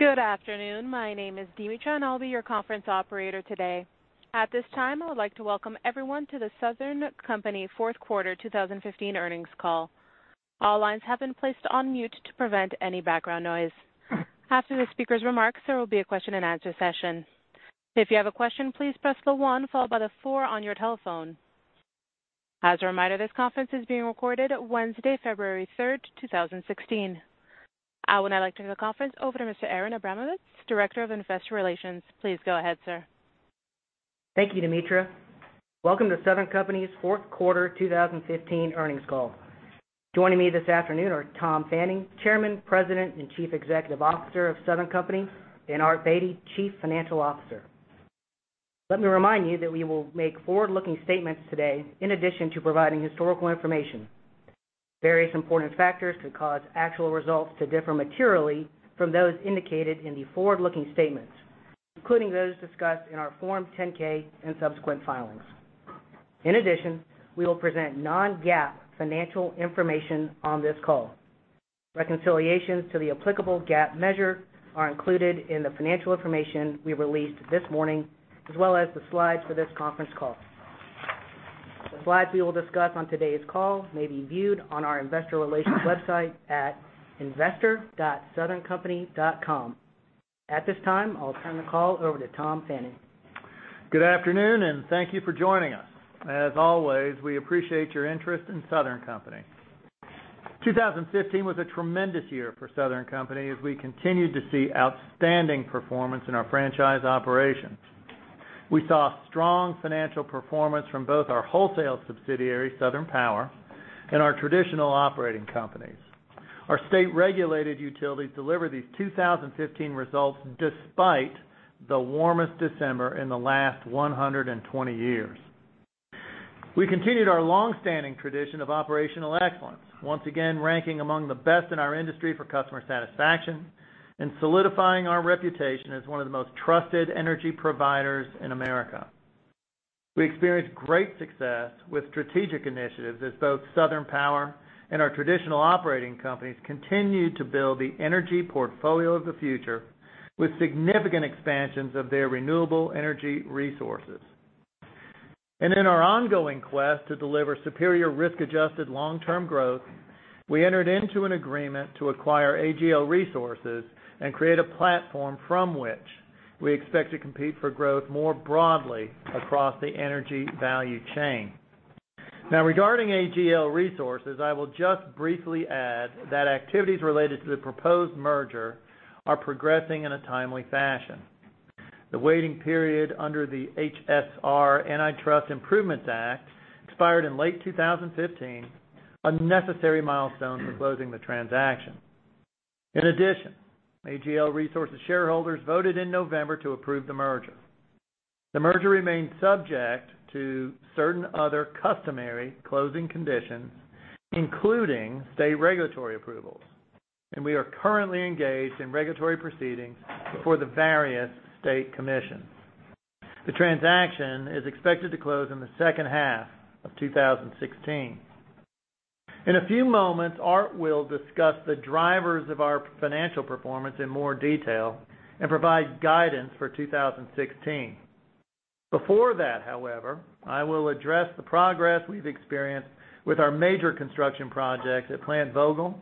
Good afternoon. My name is Demetra, and I'll be your conference operator today. At this time, I would like to welcome everyone to The Southern Company fourth quarter 2015 earnings call. All lines have been placed on mute to prevent any background noise. After the speakers' remarks, there will be a question-and-answer session. If you have a question, please press the one followed by the four on your telephone. As a reminder, this conference is being recorded Wednesday, February 3rd, 2016. I would now like to turn the conference over to Mr. Aaron Abramovitz, Director of Investor Relations. Please go ahead, sir. Thank you, Demetra. Welcome to Southern Company's fourth quarter 2015 earnings call. Joining me this afternoon are Thomas Fanning, Chairman, President, and Chief Executive Officer of The Southern Company, and Art Beattie, Chief Financial Officer. Let me remind you that we will make forward-looking statements today in addition to providing historical information. Various important factors could cause actual results to differ materially from those indicated in the forward-looking statements, including those discussed in our Form 10-K and subsequent filings. In addition, we will present non-GAAP financial information on this call. Reconciliations to the applicable GAAP measure are included in the financial information we released this morning, as well as the slides for this conference call. The slides we will discuss on today's call may be viewed on our investor relations website at investor.southerncompany.com. At this time, I'll turn the call over to Thomas Fanning. Good afternoon, and thank you for joining us. As always, we appreciate your interest in Southern Company. 2015 was a tremendous year for Southern Company as we continued to see outstanding performance in our franchise operations. We saw strong financial performance from both our wholesale subsidiary, Southern Power, and our traditional operating companies. Our state-regulated utilities delivered these 2015 results despite the warmest December in the last 120 years. We continued our longstanding tradition of operational excellence, once again ranking among the best in our industry for customer satisfaction and solidifying our reputation as one of the most trusted energy providers in America. We experienced great success with strategic initiatives as both Southern Power and our traditional operating companies continued to build the energy portfolio of the future with significant expansions of their renewable energy resources. In our ongoing quest to deliver superior risk-adjusted long-term growth, we entered into an agreement to acquire AGL Resources and create a platform from which we expect to compete for growth more broadly across the energy value chain. Now, regarding AGL Resources, I will just briefly add that activities related to the proposed merger are progressing in a timely fashion. The waiting period under the HSR Antitrust Improvements Act expired in late 2015, a necessary milestone for closing the transaction. In addition, AGL Resources shareholders voted in November to approve the merger. The merger remains subject to certain other customary closing conditions, including state regulatory approvals, and we are currently engaged in regulatory proceedings before the various state commissions. The transaction is expected to close in the second half of 2016. In a few moments, Art will discuss the drivers of our financial performance in more detail and provide guidance for 2016. Before that, however, I will address the progress we've experienced with our major construction projects at Plant Vogtle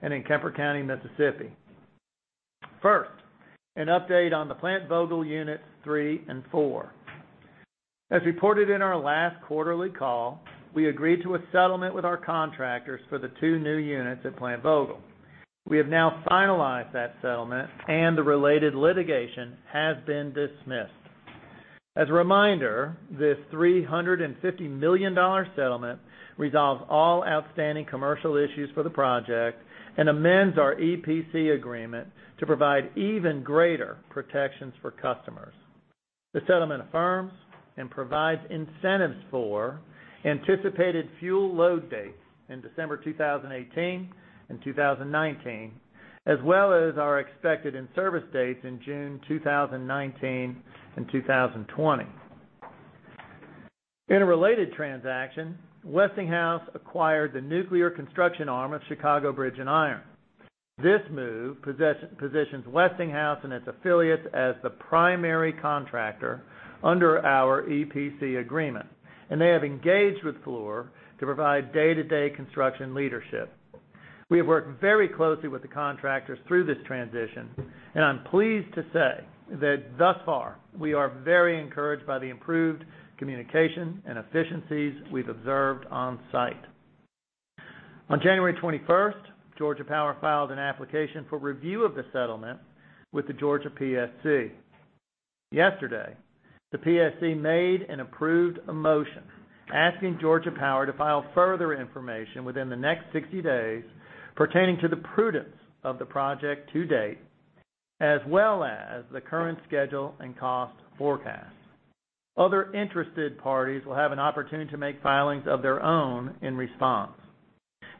and in Kemper County, Mississippi. First, an update on the Plant Vogtle units 3 and 4. As reported in our last quarterly call, we agreed to a settlement with our contractors for the two new units at Plant Vogtle. We have now finalized that settlement, and the related litigation has been dismissed. As a reminder, this $350 million settlement resolves all outstanding commercial issues for the project and amends our EPC agreement to provide even greater protections for customers. The settlement affirms and provides incentives for anticipated fuel load dates in December 2018 and 2019, as well as our expected in-service dates in June 2019 and 2020. In a related transaction, Westinghouse acquired the nuclear construction arm of Chicago Bridge & Iron. This move positions Westinghouse and its affiliates as the primary contractor under our EPC agreement, and they have engaged with Fluor to provide day-to-day construction leadership. We have worked very closely with the contractors through this transition, and I'm pleased to say that thus far, we are very encouraged by the improved communication and efficiencies we've observed on-site. On January 21st, Georgia Power filed an application for review of the settlement with the Georgia PSC. Yesterday, the PSC made and approved a motion asking Georgia Power to file further information within the next 60 days pertaining to the prudence of the project to date, as well as the current schedule and cost forecasts. Other interested parties will have an opportunity to make filings of their own in response.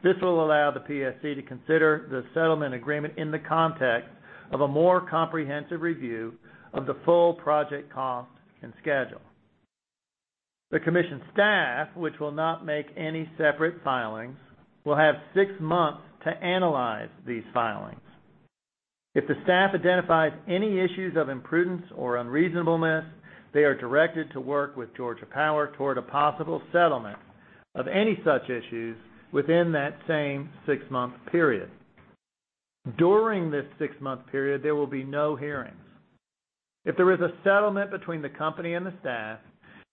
This will allow the PSC to consider the settlement agreement in the context of a more comprehensive review of the full project cost and schedule. The commission staff, which will not make any separate filings, will have six months to analyze these filings. If the staff identifies any issues of imprudence or unreasonableness, they are directed to work with Georgia Power toward a possible settlement of any such issues within that same six-month period. During this six-month period, there will be no hearings. If there is a settlement between the company and the staff,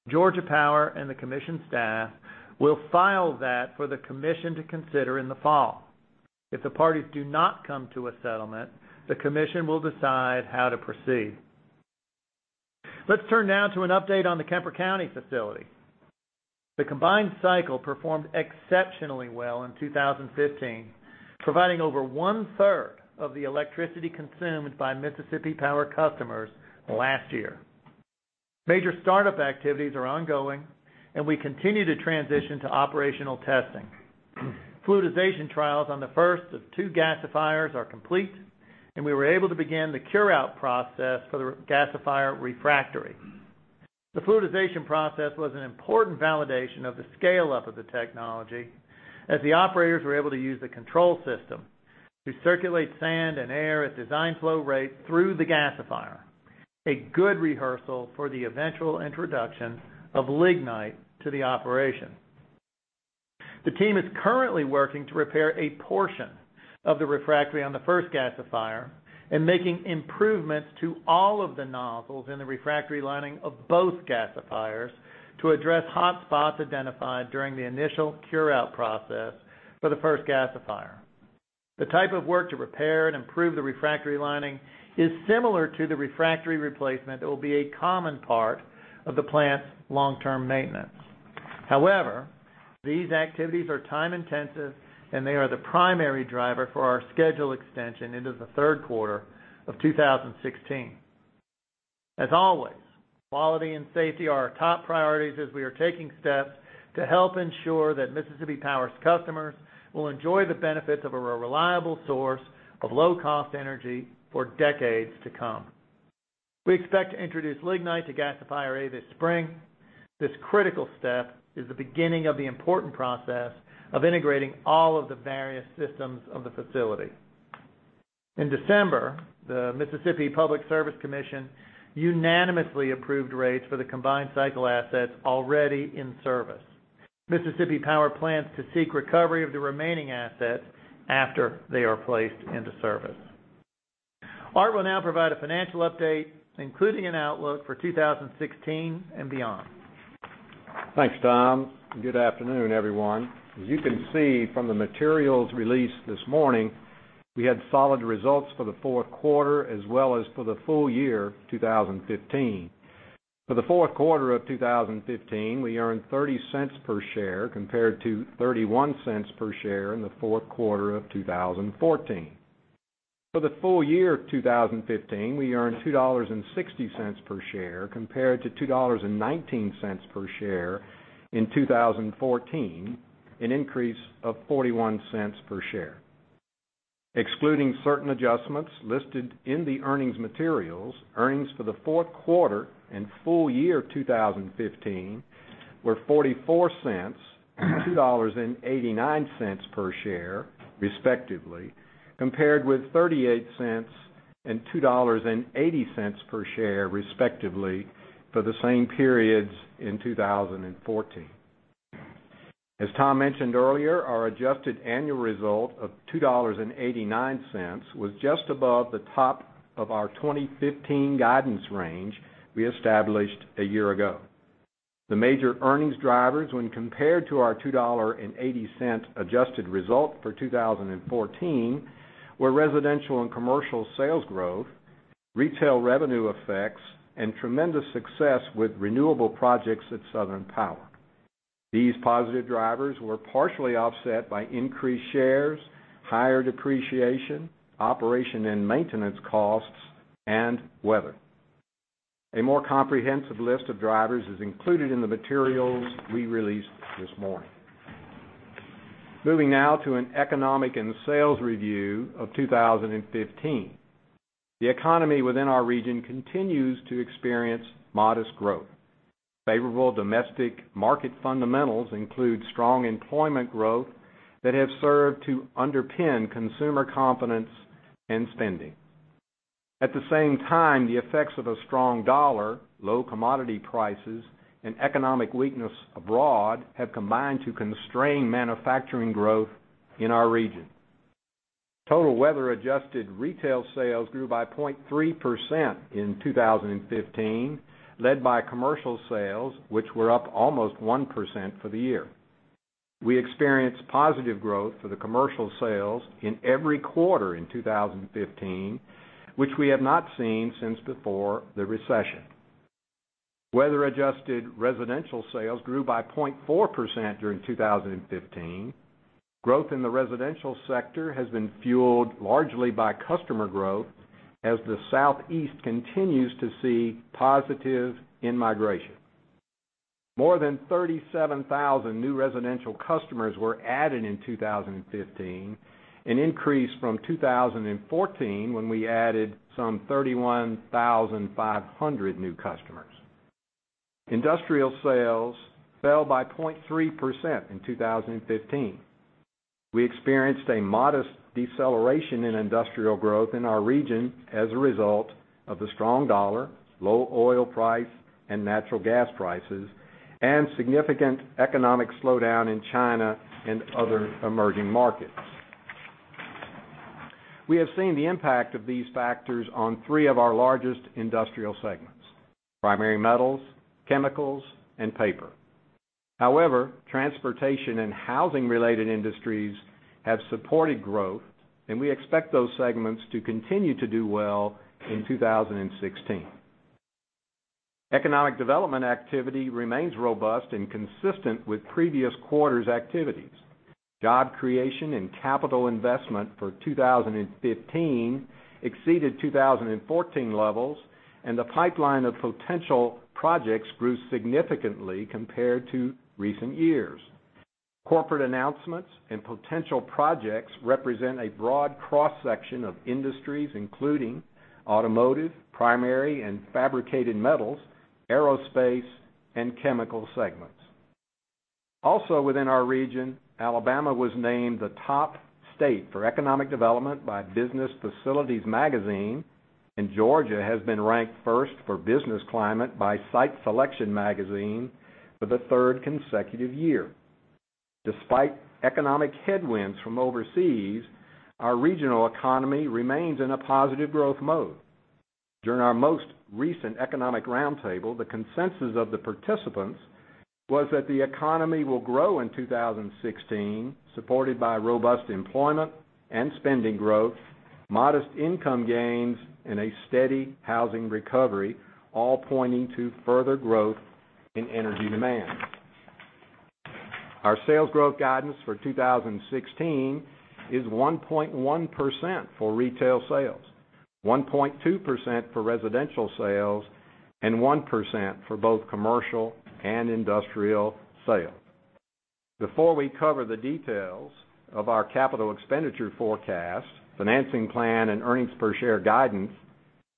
Georgia Power and the commission staff will file that for the commission to consider in the fall. If the parties do not come to a settlement, the commission will decide how to proceed. Let's turn now to an update on the Kemper County facility. The combined cycle performed exceptionally well in 2015, providing over one-third of the electricity consumed by Mississippi Power customers last year. Major startup activities are ongoing, and we continue to transition to operational testing. Fluidization trials on the first of two gasifiers are complete, and we were able to begin the cure out process for the gasifier refractory. The fluidization process was an important validation of the scale-up of the technology as the operators were able to use the control system to circulate sand and air at design flow rate through the gasifier. A good rehearsal for the eventual introduction of lignite to the operation. The team is currently working to repair a portion of the refractory on the 1st gasifier and making improvements to all of the nozzles in the refractory lining of both gasifiers to address hot spots identified during the initial cure out process for the 1st gasifier. The type of work to repair and improve the refractory lining is similar to the refractory replacement that will be a common part of the plant's long-term maintenance. However, these activities are time-intensive, and they are the primary driver for our schedule extension into the 3rd quarter of 2016. As always, quality and safety are our top priorities as we are taking steps to help ensure that Mississippi Power's customers will enjoy the benefits of a reliable source of low-cost energy for decades to come. We expect to introduce lignite to gasifier A this spring. This critical step is the beginning of the important process of integrating all of the various systems of the facility. In December, the Mississippi Public Service Commission unanimously approved rates for the combined cycle assets already in service. Mississippi Power plans to seek recovery of the remaining assets after they are placed into service. Art will now provide a financial update, including an outlook for 2016 and beyond. Thanks, Tom, good afternoon, everyone. As you can see from the materials released this morning, we had solid results for the 4th quarter as well as for the full year 2015. For the 4th quarter of 2015, we earned $0.30 per share compared to $0.31 per share in the 4th quarter of 2014. For the full year of 2015, we earned $2.60 per share compared to $2.19 per share in 2014, an increase of $0.41 per share. Excluding certain adjustments listed in the earnings materials, earnings for the 4th quarter and full year 2015 were $0.44 and $2.89 per share respectively, compared with $0.38 and $2.80 per share respectively for the same periods in 2014. As Tom mentioned earlier, our adjusted annual result of $2.89 was just above the top of our 2015 guidance range we established a year ago. The major earnings drivers when compared to our $2.80 adjusted result for 2014 were residential and commercial sales growth, retail revenue effects, and tremendous success with renewable projects at Southern Power. These positive drivers were partially offset by increased shares, higher depreciation, operation and maintenance costs, and weather. A more comprehensive list of drivers is included in the materials we released this morning. Moving now to an economic and sales review of 2015. The economy within our region continues to experience modest growth. Favorable domestic market fundamentals include strong employment growth that have served to underpin consumer confidence and spending. At the same time, the effects of a strong dollar, low commodity prices, and economic weakness abroad have combined to constrain manufacturing growth in our region. Total weather-adjusted retail sales grew by 0.3% in 2015, led by commercial sales, which were up almost 1% for the year. We experienced positive growth for the commercial sales in every quarter in 2015, which we have not seen since before the recession. Weather-adjusted residential sales grew by 0.4% during 2015. Growth in the residential sector has been fueled largely by customer growth as the Southeast continues to see positive in-migration. More than 37,000 new residential customers were added in 2015, an increase from 2014 when we added some 31,500 new customers. Industrial sales fell by 0.3% in 2015. We experienced a modest deceleration in industrial growth in our region as a result of the strong dollar, low oil price and natural gas prices, and significant economic slowdown in China and other emerging markets. We have seen the impact of these factors on three of our largest industrial segments: primary metals, chemicals, and paper. However, transportation and housing-related industries have supported growth, and we expect those segments to continue to do well in 2016. Economic development activity remains robust and consistent with previous quarters' activities. Job creation and capital investment for 2015 exceeded 2014 levels, and the pipeline of potential projects grew significantly compared to recent years. Corporate announcements and potential projects represent a broad cross-section of industries, including automotive, primary and fabricated metals, aerospace, and chemical segments. Also within our region, Alabama was named the top state for economic development by Business Facilities magazine, and Georgia has been ranked first for business climate by Site Selection magazine for the third consecutive year. Despite economic headwinds from overseas, our regional economy remains in a positive growth mode. During our most recent economic roundtable, the consensus of the participants was that the economy will grow in 2016, supported by robust employment and spending growth, modest income gains, and a steady housing recovery, all pointing to further growth in energy demand. Our sales growth guidance for 2016 is 1.1% for retail sales, 1.2% for residential sales, and 1% for both commercial and industrial sales. Before we cover the details of our capital expenditure forecast, financing plan, and earnings per share guidance,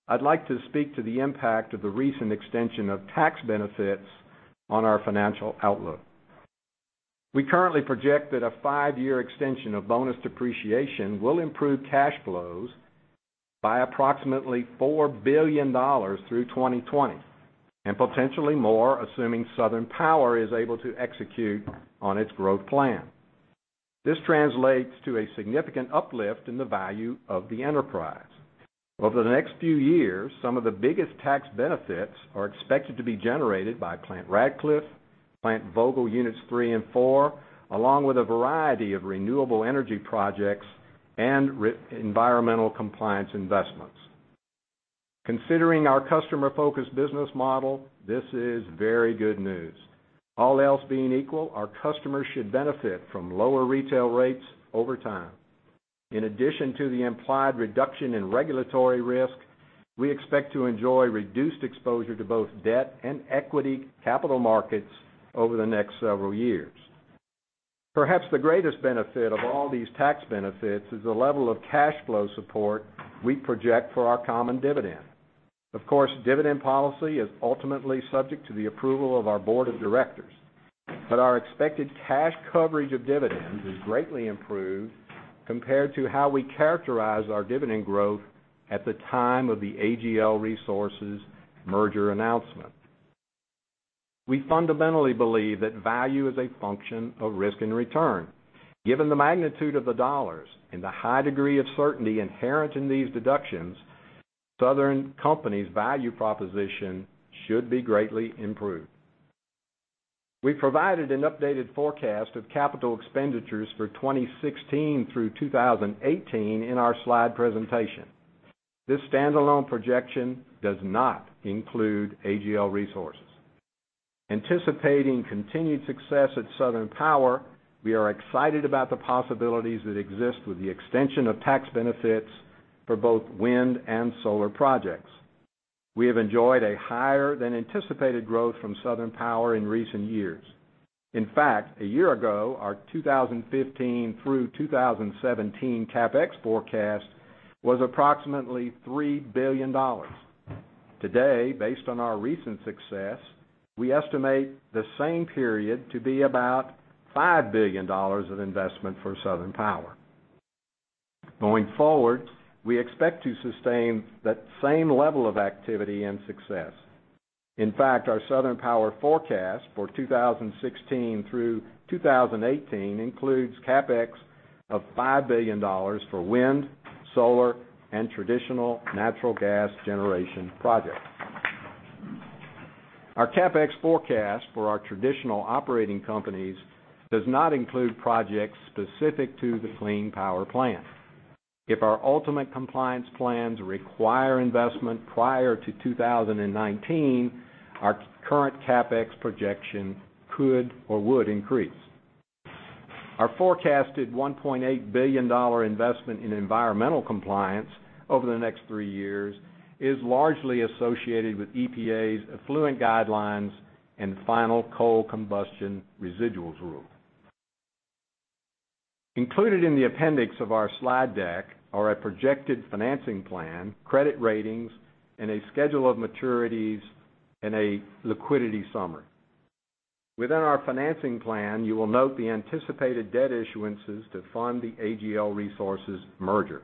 I'd like to speak to the impact of the recent extension of tax benefits on our financial outlook. We currently project that a five-year extension of bonus depreciation will improve cash flows by approximately $4 billion through 2020, and potentially more, assuming Southern Power is able to execute on its growth plan. This translates to a significant uplift in the value of the enterprise. Over the next few years, some of the biggest tax benefits are expected to be generated by Plant Ratcliffe, Plant Vogtle Units 3 and 4, along with a variety of renewable energy projects and environmental compliance investments. Considering our customer-focused business model, this is very good news. All else being equal, our customers should benefit from lower retail rates over time. In addition to the implied reduction in regulatory risk, we expect to enjoy reduced exposure to both debt and equity capital markets over the next several years. Perhaps the greatest benefit of all these tax benefits is the level of cash flow support we project for our common dividend. Of course, dividend policy is ultimately subject to the approval of our board of directors, but our expected cash coverage of dividends is greatly improved compared to how we characterize our dividend growth at the time of the AGL Resources merger announcement. We fundamentally believe that value is a function of risk and return. Given the magnitude of the dollars and the high degree of certainty inherent in these deductions, The Southern Company's value proposition should be greatly improved. We provided an updated forecast of capital expenditures for 2016 through 2018 in our slide presentation. This standalone projection does not include AGL Resources. Anticipating continued success at Southern Power, we are excited about the possibilities that exist with the extension of tax benefits for both wind and solar projects. We have enjoyed a higher than anticipated growth from Southern Power in recent years. In fact, a year ago, our 2015 through 2017 CapEx forecast was approximately $3 billion. Today, based on our recent success, we estimate the same period to be about $5 billion of investment for Southern Power. Going forward, we expect to sustain that same level of activity and success. In fact, our Southern Power forecast for 2016 through 2018 includes CapEx of $5 billion for wind, solar, and traditional natural gas generation projects. Our CapEx forecast for our traditional operating companies does not include projects specific to the Clean Power Plan. If our ultimate compliance plans require investment prior to 2019, our current CapEx projection could or would increase. Our forecasted $1.8 billion investment in environmental compliance over the next three years is largely associated with EPA's effluent guidelines and final coal combustion residuals rule. Included in the appendix of our slide deck are a projected financing plan, credit ratings, and a schedule of maturities, and a liquidity summary. Within our financing plan, you will note the anticipated debt issuances to fund the AGL Resources merger.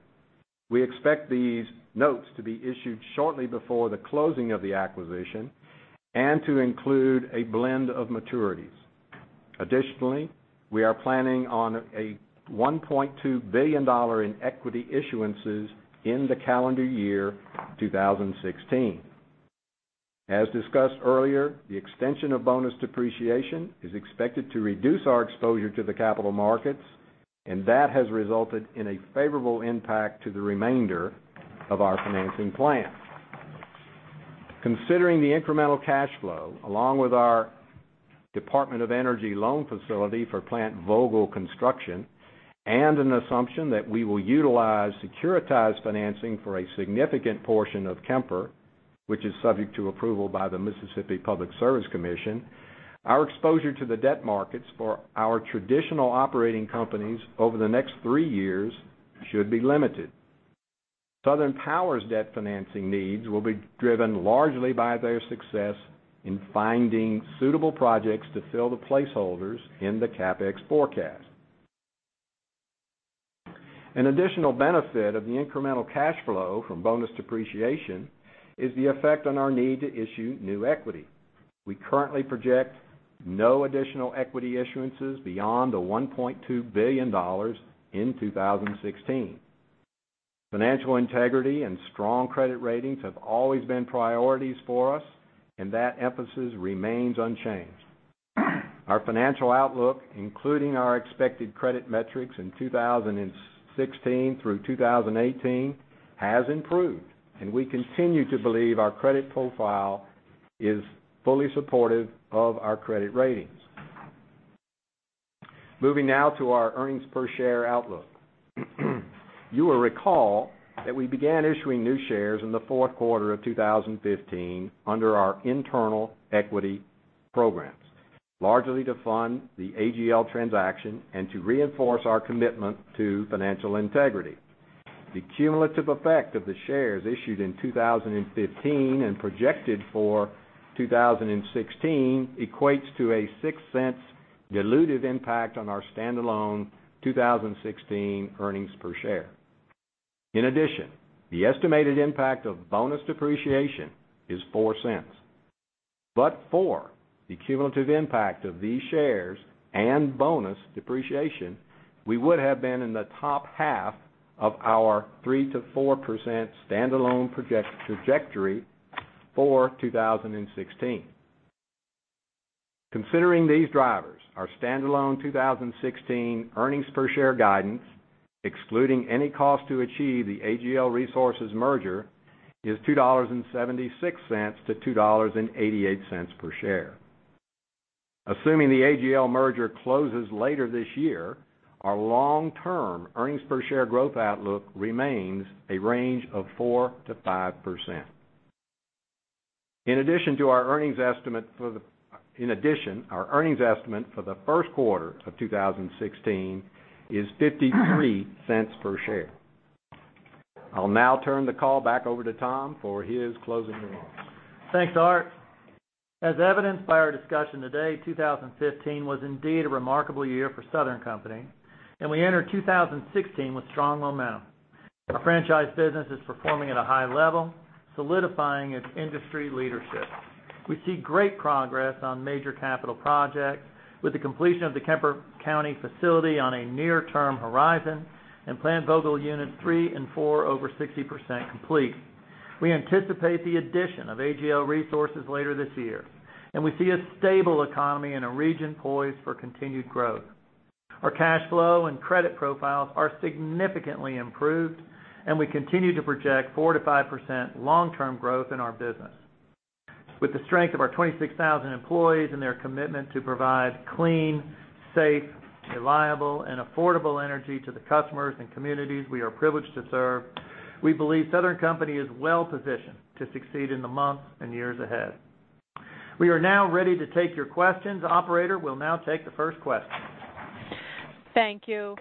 We expect these notes to be issued shortly before the closing of the acquisition and to include a blend of maturities. Additionally, we are planning on a $1.2 billion in equity issuances in the calendar year 2016. As discussed earlier, the extension of bonus depreciation is expected to reduce our exposure to the capital markets, and that has resulted in a favorable impact to the remainder of our financing plan. Considering the incremental cash flow, along with our United States Department of Energy loan facility for Plant Vogtle Construction, and an assumption that we will utilize securitized financing for a significant portion of Kemper, which is subject to approval by the Mississippi Public Service Commission, our exposure to the debt markets for our traditional operating companies over the next three years should be limited. Southern Power's debt financing needs will be driven largely by their success in finding suitable projects to fill the placeholders in the CapEx forecast. An additional benefit of the incremental cash flow from bonus depreciation is the effect on our need to issue new equity. We currently project no additional equity issuances beyond the $1.2 billion in 2016. Financial integrity and strong credit ratings have always been priorities for us, and that emphasis remains unchanged. Our financial outlook, including our expected credit metrics in 2016 through 2018, has improved, and we continue to believe our credit profile is fully supportive of our credit ratings. Moving now to our earnings per share outlook. You will recall that we began issuing new shares in the fourth quarter of 2015 under our internal equity programs, largely to fund the AGL transaction and to reinforce our commitment to financial integrity. The cumulative effect of the shares issued in 2015 and projected for 2016 equates to a $0.06 diluted impact on our standalone 2016 earnings per share. In addition, the estimated impact of bonus depreciation is $0.04. For the cumulative impact of these shares and bonus depreciation, we would have been in the top half of our 3%-4% standalone projected trajectory for 2016. Considering these drivers, our standalone 2016 earnings per share guidance, excluding any cost to achieve the AGL Resources merger, is $2.76-$2.88 per share. Assuming the AGL merger closes later this year, our long-term earnings per share growth outlook remains a range of 4%-5%. In addition, our earnings estimate for the first quarter of 2016 is $0.53 per share. I'll now turn the call back over to Tom for his closing remarks. Thanks, Art. As evidenced by our discussion today, 2015 was indeed a remarkable year for Southern Company, and we enter 2016 with strong momentum. Our franchise business is performing at a high level, solidifying its industry leadership. We see great progress on major capital projects with the completion of the Kemper County facility on a near-term horizon and Plant Vogtle units 3 and 4 over 60% complete. We anticipate the addition of AGL Resources later this year, and we see a stable economy in a region poised for continued growth. Our cash flow and credit profiles are significantly improved, and we continue to project 4%-5% long-term growth in our business. With the strength of our 26,000 employees and their commitment to provide clean, safe, reliable, and affordable energy to the customers and communities we are privileged to serve, we believe Southern Company is well-positioned to succeed in the months and years ahead. We are now ready to take your questions. Operator, we'll now take the first question. Thank you.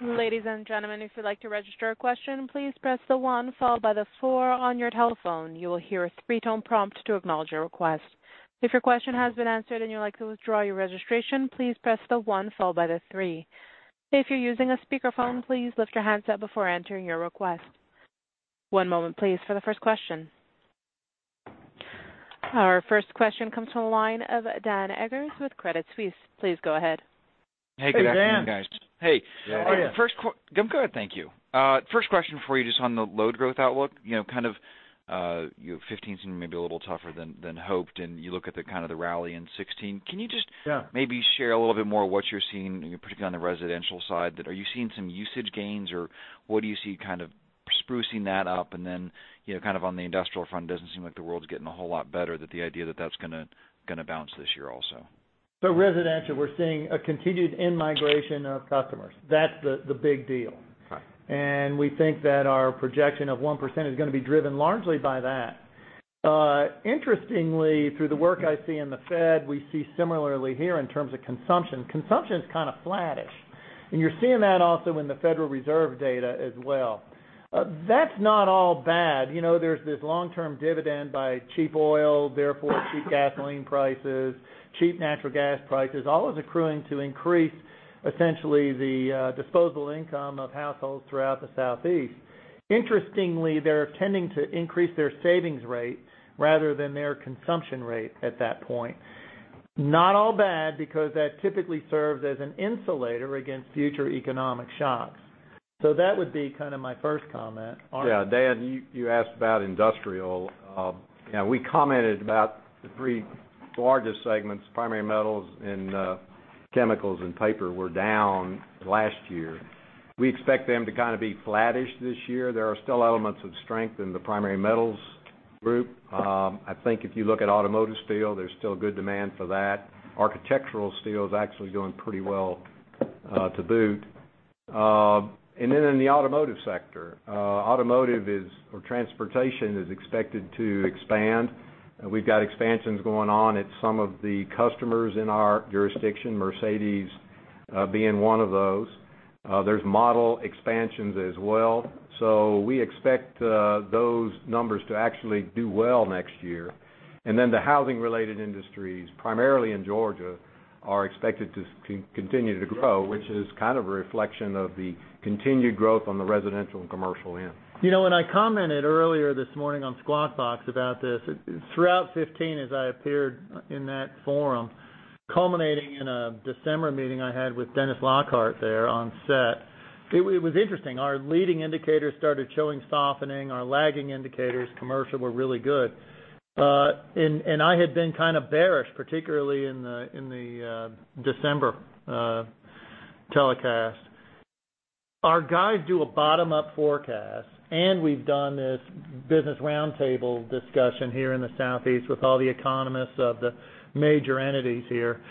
Ladies and gentlemen, if you'd like to register a question, please press the one followed by the four on your telephone. You will hear a three-tone prompt to acknowledge your request. If your question has been answered and you'd like to withdraw your registration, please press the one followed by the three. If you're using a speakerphone, please lift your handset before entering your request. One moment please for the first question. Our first question comes from the line of Dan Eggers with Credit Suisse. Please go ahead. Hey, Dan. Hey, Dan. Hey. How are you? I'm good, thank you. First question for you, just on the load growth outlook. 2015 seemed maybe a little tougher than hoped. You look at the rally in 2016. Yeah maybe share a little bit more what you're seeing, particularly on the residential side? Are you seeing some usage gains, or what do you see sprucing that up? Then, on the industrial front, it doesn't seem like the world's getting a whole lot better, that the idea that that's going to bounce this year also. Residential, we're seeing a continued in-migration of customers. That's the big deal. Right. We think that our projection of 1% is going to be driven largely by that. Interestingly, through the work I see in the Fed, we see similarly here in terms of consumption. Consumption is kind of flattish. You're seeing that also in the Federal Reserve data as well. That's not all bad. There's this long-term dividend by cheap oil, therefore cheap gasoline prices, cheap natural gas prices, all is accruing to increase essentially the disposal income of households throughout the Southeast. Interestingly, they're tending to increase their savings rate rather than their consumption rate at that point. Not all bad, because that typically serves as an insulator against future economic shocks. That would be kind of my first comment. Art? Yeah, Dan, you asked about industrial. We commented about the three largest segments, primary metals and chemicals and paper were down last year. We expect them to kind of be flattish this year. There are still elements of strength in the primary metals group. I think if you look at automotive steel, there's still good demand for that. Architectural steel is actually doing pretty well to boot. In the automotive sector. Automotive is, or transportation is expected to expand. We've got expansions going on at some of the customers in our jurisdiction, Mercedes-Benz being one of those. There's model expansions as well. We expect those numbers to actually do well next year. The housing-related industries, primarily in Georgia, are expected to continue to grow, which is kind of a reflection of the continued growth on the residential and commercial end. You know what, I commented earlier this morning on Squawk Box about this. Throughout 2015 as I appeared in that forum, culminating in a December meeting I had with Dennis Lockhart there on set. It was interesting. Our leading indicators started showing softening. Our lagging indicators commercial were really good. I had been kind of bearish, particularly in the December telecast. Our guys do a bottom-up forecast. We've done this business roundtable discussion here in the Southeast with all the economists of the major entities here.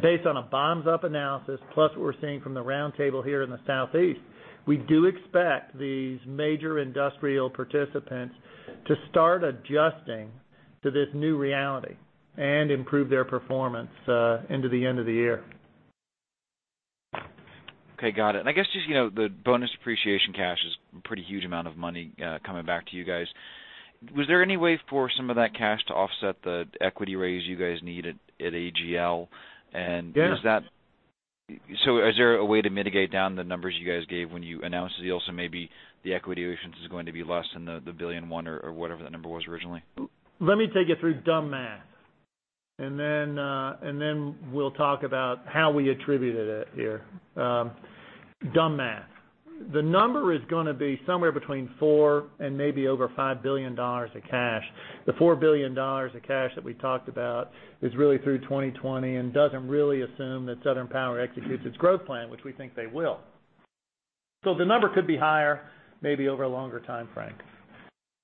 Based on a bottoms-up analysis, plus what we're seeing from the roundtable here in the Southeast, we do expect these major industrial participants to start adjusting to this new reality and improve their performance into the end of the year. Okay. Got it. I guess just the bonus depreciation cash is a pretty huge amount of money coming back to you guys. Was there any way for some of that cash to offset the equity raise you guys need at AGL? Yeah Is there a way to mitigate down the numbers you guys gave when you announced the deal, so maybe the equity issuance is going to be less than the $1.1 billion or whatever the number was originally? Let me take you through dumb math, then we'll talk about how we attributed it here. Dumb math. The number is going to be somewhere between four and maybe over $5 billion of cash. The $4 billion of cash that we talked about is really through 2020 and doesn't really assume that Southern Power executes its growth plan, which we think they will. The number could be higher, maybe over a longer time frame.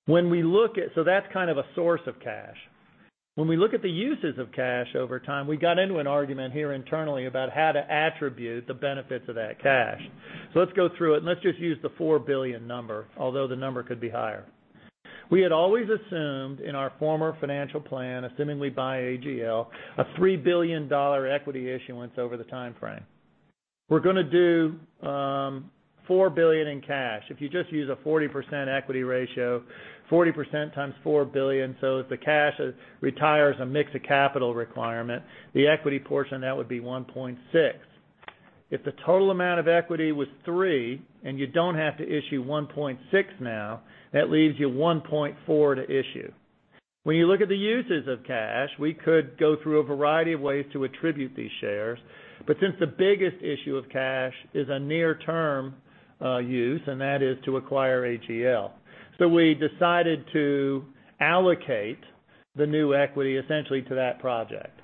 That's kind of a source of cash. When we look at the uses of cash over time, we got into an argument here internally about how to attribute the benefits of that cash. Let's go through it, and let's just use the four billion number, although the number could be higher. We had always assumed in our former financial plan, assumingly by AGL, a $3 billion equity issuance over the time frame. We're going to do four billion in cash. If you just use a 40% equity ratio, 40% times four billion. If the cash retires a mix of capital requirement, the equity portion of that would be 1.6. If the total amount of equity was three and you don't have to issue 1.6 now, that leaves you 1.4 to issue. When you look at the uses of cash, we could go through a variety of ways to attribute these shares. Since the biggest issue of cash is a near-term use, and that is to acquire AGL. We decided to allocate the new equity essentially to that project.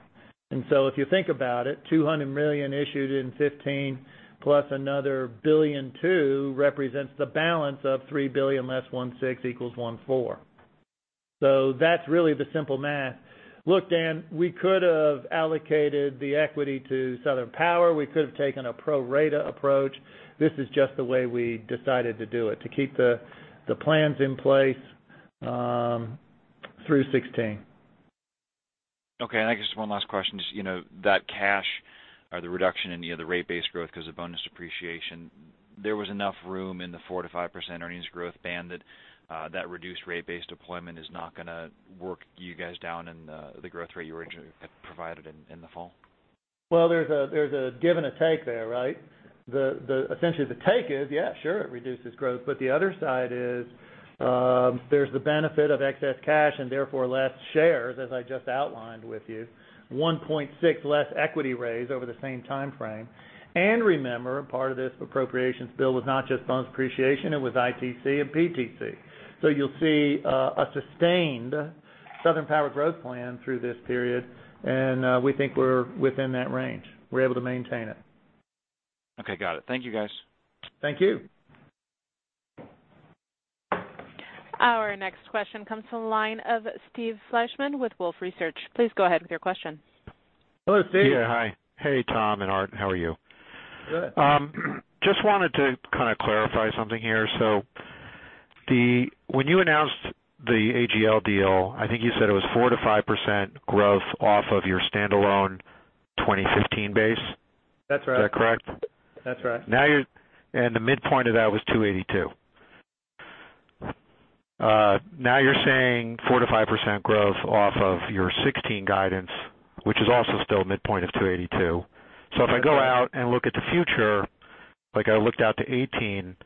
If you think about it, $200 million issued in 2015, plus another $1.2 billion represents the balance of $3 billion less 1.6 equals 1.4. That's really the simple math. Look, Dan, we could have allocated the equity to Southern Power. We could have taken a pro rata approach. This is just the way we decided to do it to keep the plans in place through 2016. Okay. I guess just one last question. Just that cash or the reduction in the rate base growth because of bonus depreciation, there was enough room in the 4%-5% earnings growth band that reduced rate base deployment is not going to work you guys down in the growth rate you originally had provided in the fall? There's a give and a take there, right? Essentially the take is, yeah, sure, it reduces growth. The other side is there's the benefit of excess cash and therefore less shares, as I just outlined with you, 1.6 less equity raise over the same time frame. Remember, part of this appropriations bill was not just bonus depreciation, it was ITC and PTC. You'll see a sustained Southern Power growth plan through this period. We think we're within that range. We're able to maintain it. Okay. Got it. Thank you, guys. Thank you. Our next question comes from the line of Steve Fleishman with Wolfe Research. Please go ahead with your question. Hello, Steve. Yeah, hi. Hey, Tom and Art. How are you? Good. Just wanted to kind of clarify something here. When you announced the AGL deal, I think you said it was 4%-5% growth off of your standalone 2015 base. That's right. Is that correct? That's right. The midpoint of that was 282. Now you're saying 4%-5% growth off of your 2016 guidance, which is also still midpoint of 282. If I go out and look at the future, like I looked out to 2018,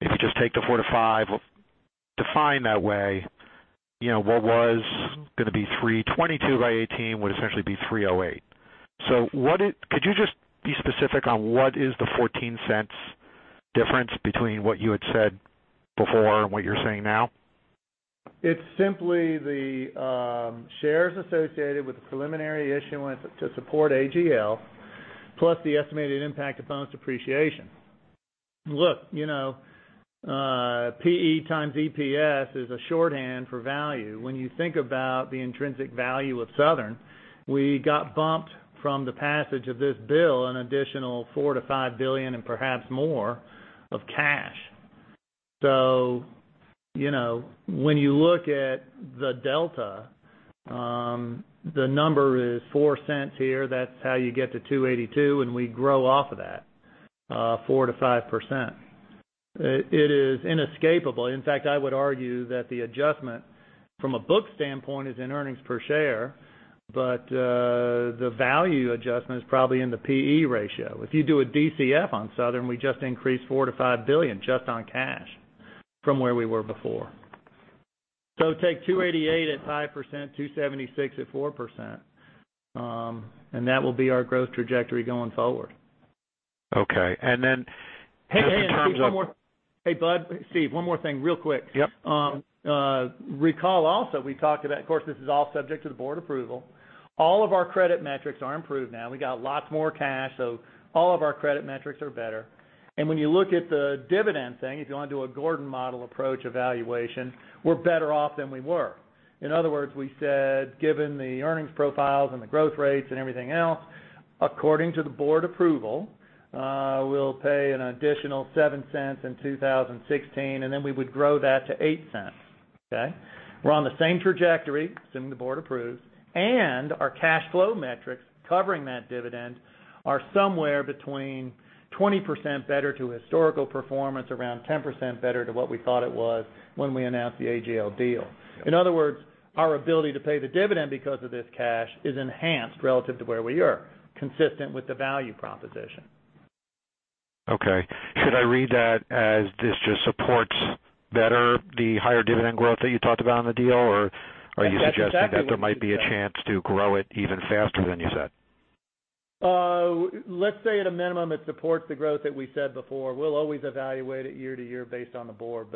if you just take the 4%-5%, define that way, what was going to be 322 by 2018 would essentially be 308. Could you just be specific on what is the $0.14 difference between what you had said before and what you're saying now? It's simply the shares associated with the preliminary issuance to support AGL, plus the estimated impact of bonus depreciation. Look, PE times EPS is a shorthand for value. When you think about the intrinsic value of Southern, we got bumped from the passage of this bill, an additional $4 billion-$5 billion and perhaps more of cash. When you look at the delta, the number is $0.04 here. That's how you get to 282, and we grow off of that, 4%-5%. It is inescapable. In fact, I would argue that the adjustment from a book standpoint is in earnings per share. The value adjustment is probably in the PE ratio. If you do a DCF on Southern, we just increased $4 billion-$5 billion just on cash from where we were before. Take 288 at 5%, 276 at 4%, and that will be our growth trajectory going forward. Okay. Then in terms of. Hey, Steve, one more. Hey, Bud. Steve, one more thing, real quick. Yep. Recall also, we talked about, of course, this is all subject to the board approval. All of our credit metrics are improved now. We got lots more cash. All of our credit metrics are better. When you look at the dividend thing, if you want to do a Gordon Model approach evaluation, we're better off than we were. In other words, we said, given the earnings profiles and the growth rates and everything else, according to the board approval, we'll pay an additional $0.07 in 2016, then we would grow that to $0.08. Okay. We're on the same trajectory, assuming the board approves, and our cash flow metrics covering that dividend are somewhere between 20% better to historical performance, around 10% better to what we thought it was when we announced the AGL deal. Yeah. In other words, our ability to pay the dividend because of this cash is enhanced relative to where we are, consistent with the value proposition. Okay. Should I read that as this just supports better the higher dividend growth that you talked about on the deal? Or are you suggesting? That's exactly what you said that there might be a chance to grow it even faster than you said? Let's say at a minimum, it supports the growth that we said before. We'll always evaluate it year to year based on the board.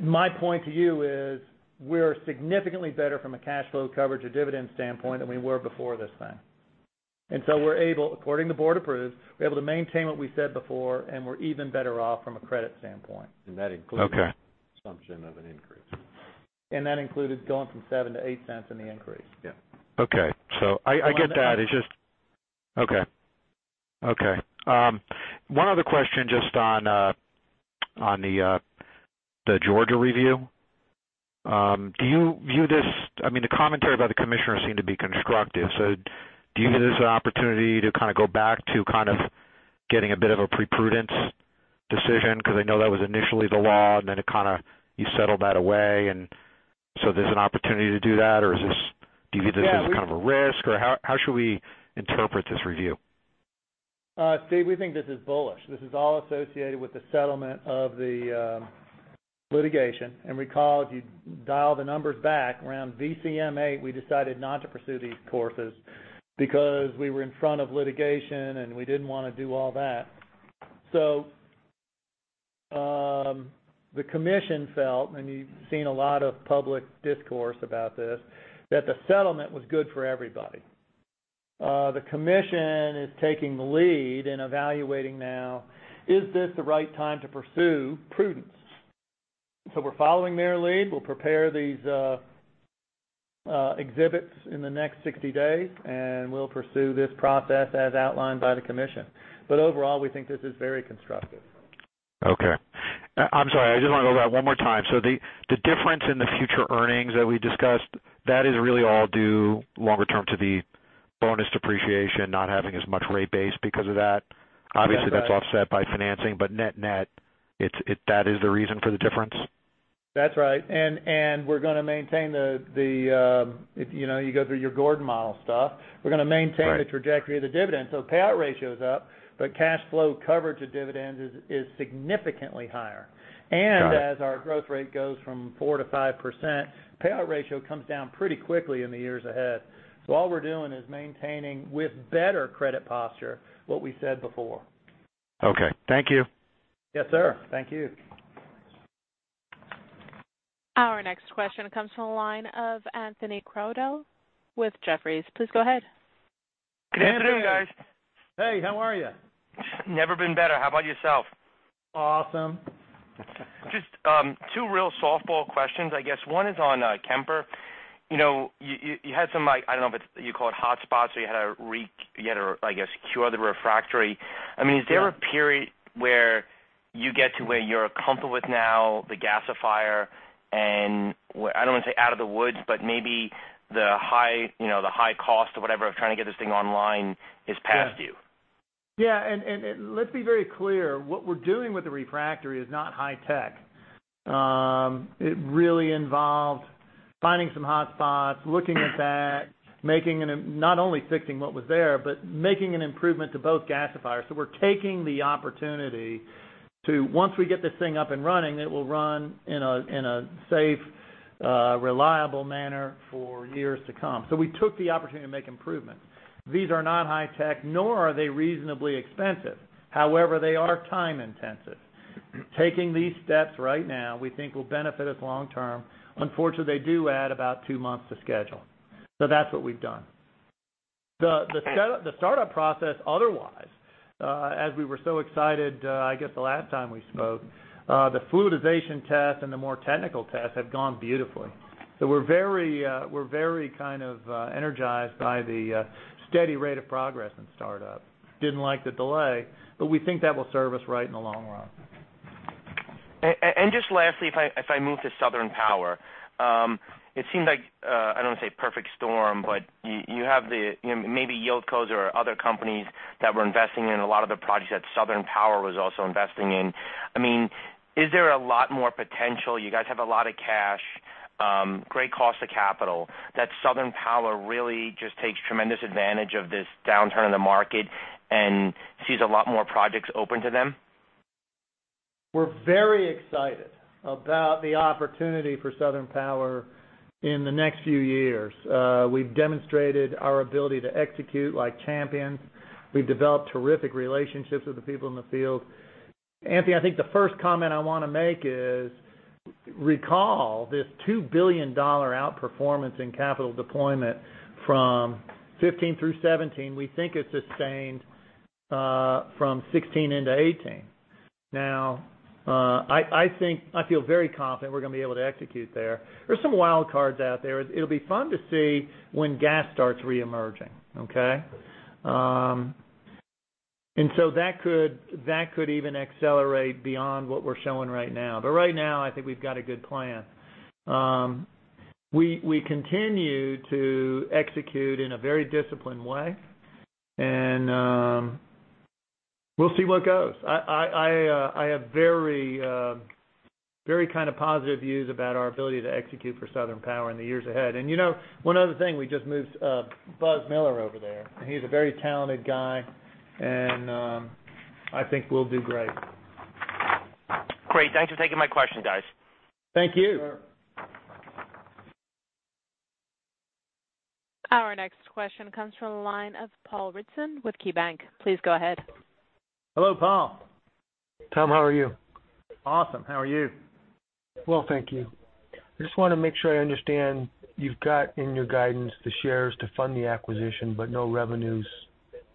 My point to you is we're significantly better from a cash flow coverage or dividend standpoint than we were before this thing. We're able, according to the board approves, we're able to maintain what we said before, and we're even better off from a credit standpoint. Okay. That includes the assumption of an increase. That included going from $0.07 to $0.08 in the increase. Yeah. Okay. I get that. Okay. One other question just on the Georgia review. The commentary by the commissioners seemed to be constructive. Do you view this as an opportunity to kind of go back to kind of getting a bit of a pre-prudence decision? Because I know that was initially the law, and then you settled that away. There's an opportunity to do that, or do you view this as kind of a risk? How should we interpret this review? Steve, we think this is bullish. This is all associated with the settlement of the litigation. Recall, if you dial the numbers back around VCM, we decided not to pursue these courses because we were in front of litigation, and we didn't want to do all that. The commission felt, and you've seen a lot of public discourse about this, that the settlement was good for everybody. The commission is taking the lead in evaluating now, is this the right time to pursue prudence? We're following their lead. We'll prepare these exhibits in the next 60 days, and we'll pursue this process as outlined by the commission. Overall, we think this is very constructive. Okay. I'm sorry, I just want to go over that one more time. The difference in the future earnings that we discussed, that is really all due longer term to the bonus depreciation, not having as much rate base because of that. That's right. Obviously, that's offset by financing, net-net, that is the reason for the difference? That's right. We're going to maintain the, if you go through your Gordon Growth Model stuff, we're going to maintain the trajectory of the dividend. Payout ratio is up, but cash flow coverage of dividends is significantly higher. Got it. As our growth rate goes from 4% to 5%, payout ratio comes down pretty quickly in the years ahead. All we're doing is maintaining with better credit posture what we said before. Okay. Thank you. Yes, sir. Thank you. Our next question comes from the line of Anthony Crowdell with Jefferies. Please go ahead. Good afternoon, guys. Hey, how are you? Never been better. How about yourself? Awesome. Just two real softball questions, I guess. One is on Kemper. You had some, I don't know if you call it hot spots, or you had to, I guess, cure the refractory. Yeah. Is there a period where you get to where you're comfortable with now the gasifier and, I don't want to say out of the woods, but maybe the high cost or whatever of trying to get this thing online is past you? Yeah. Let's be very clear, what we're doing with the refractory is not high tech. It really involved finding some hot spots, looking at that, not only fixing what was there, but making an improvement to both gasifiers. We're taking the opportunity to, once we get this thing up and running, it will run in a safe, reliable manner for years to come. We took the opportunity to make improvements. These are not high tech, nor are they reasonably expensive. However, they are time intensive. Taking these steps right now, we think will benefit us long term. Unfortunately, they do add about 2 months to schedule. That's what we've done. The startup process otherwise, as we were so excited, I guess the last time we spoke, the fluidization test and the more technical tests have gone beautifully. We're very energized by the steady rate of progress in startup. Didn't like the delay, but we think that will serve us right in the long run. Just lastly, if I move to Southern Power. It seems like, I don't want to say perfect storm, but you have maybe YieldCo or other companies that were investing in a lot of the projects that Southern Power was also investing in. Is there a lot more potential? You guys have a lot of cash, great cost of capital. That Southern Power really just takes tremendous advantage of this downturn in the market and sees a lot more projects open to them? We're very excited about the opportunity for Southern Power in the next few years. We've demonstrated our ability to execute like champions. We've developed terrific relationships with the people in the field. Anthony, I think the first comment I want to make is, recall this $2 billion outperformance in capital deployment from 2015 through 2017, we think is sustained from 2016 into 2018. I feel very confident we're going to be able to execute there. There's some wild cards out there. It'll be fun to see when gas starts reemerging. Okay? That could even accelerate beyond what we're showing right now. Right now, I think we've got a good plan. We continue to execute in a very disciplined way, and we'll see where it goes. I have very positive views about our ability to execute for Southern Power in the years ahead. One other thing, we just moved Buzz Miller over there, and he's a very talented guy, and I think we'll do great. Great. Thanks for taking my question, guys. Thank you. Sure. Our next question comes from the line of Paul Ritson with KeyBank. Please go ahead. Hello, Paul. Tom, how are you? Awesome. How are you? Well, thank you. I just want to make sure I understand. You've got in your guidance the shares to fund the acquisition, but no revenues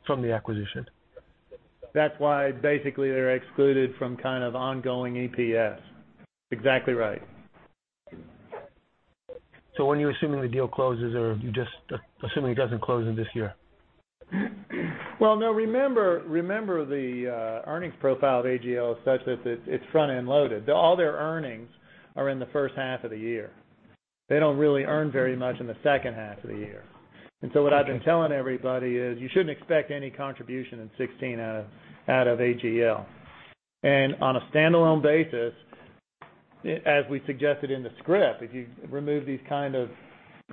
from the acquisition. That's why basically they're excluded from kind of ongoing EPS. Exactly right. When are you assuming the deal closes? Are you just assuming it doesn't close in this year? No, remember the earnings profile of AGL is such that it's front-end loaded. All their earnings are in the first half of the year. They don't really earn very much in the second half of the year. Okay. What I've been telling everybody is you shouldn't expect any contribution in 2016 out of AGL. On a standalone basis, as we suggested in the script, if you remove these kind of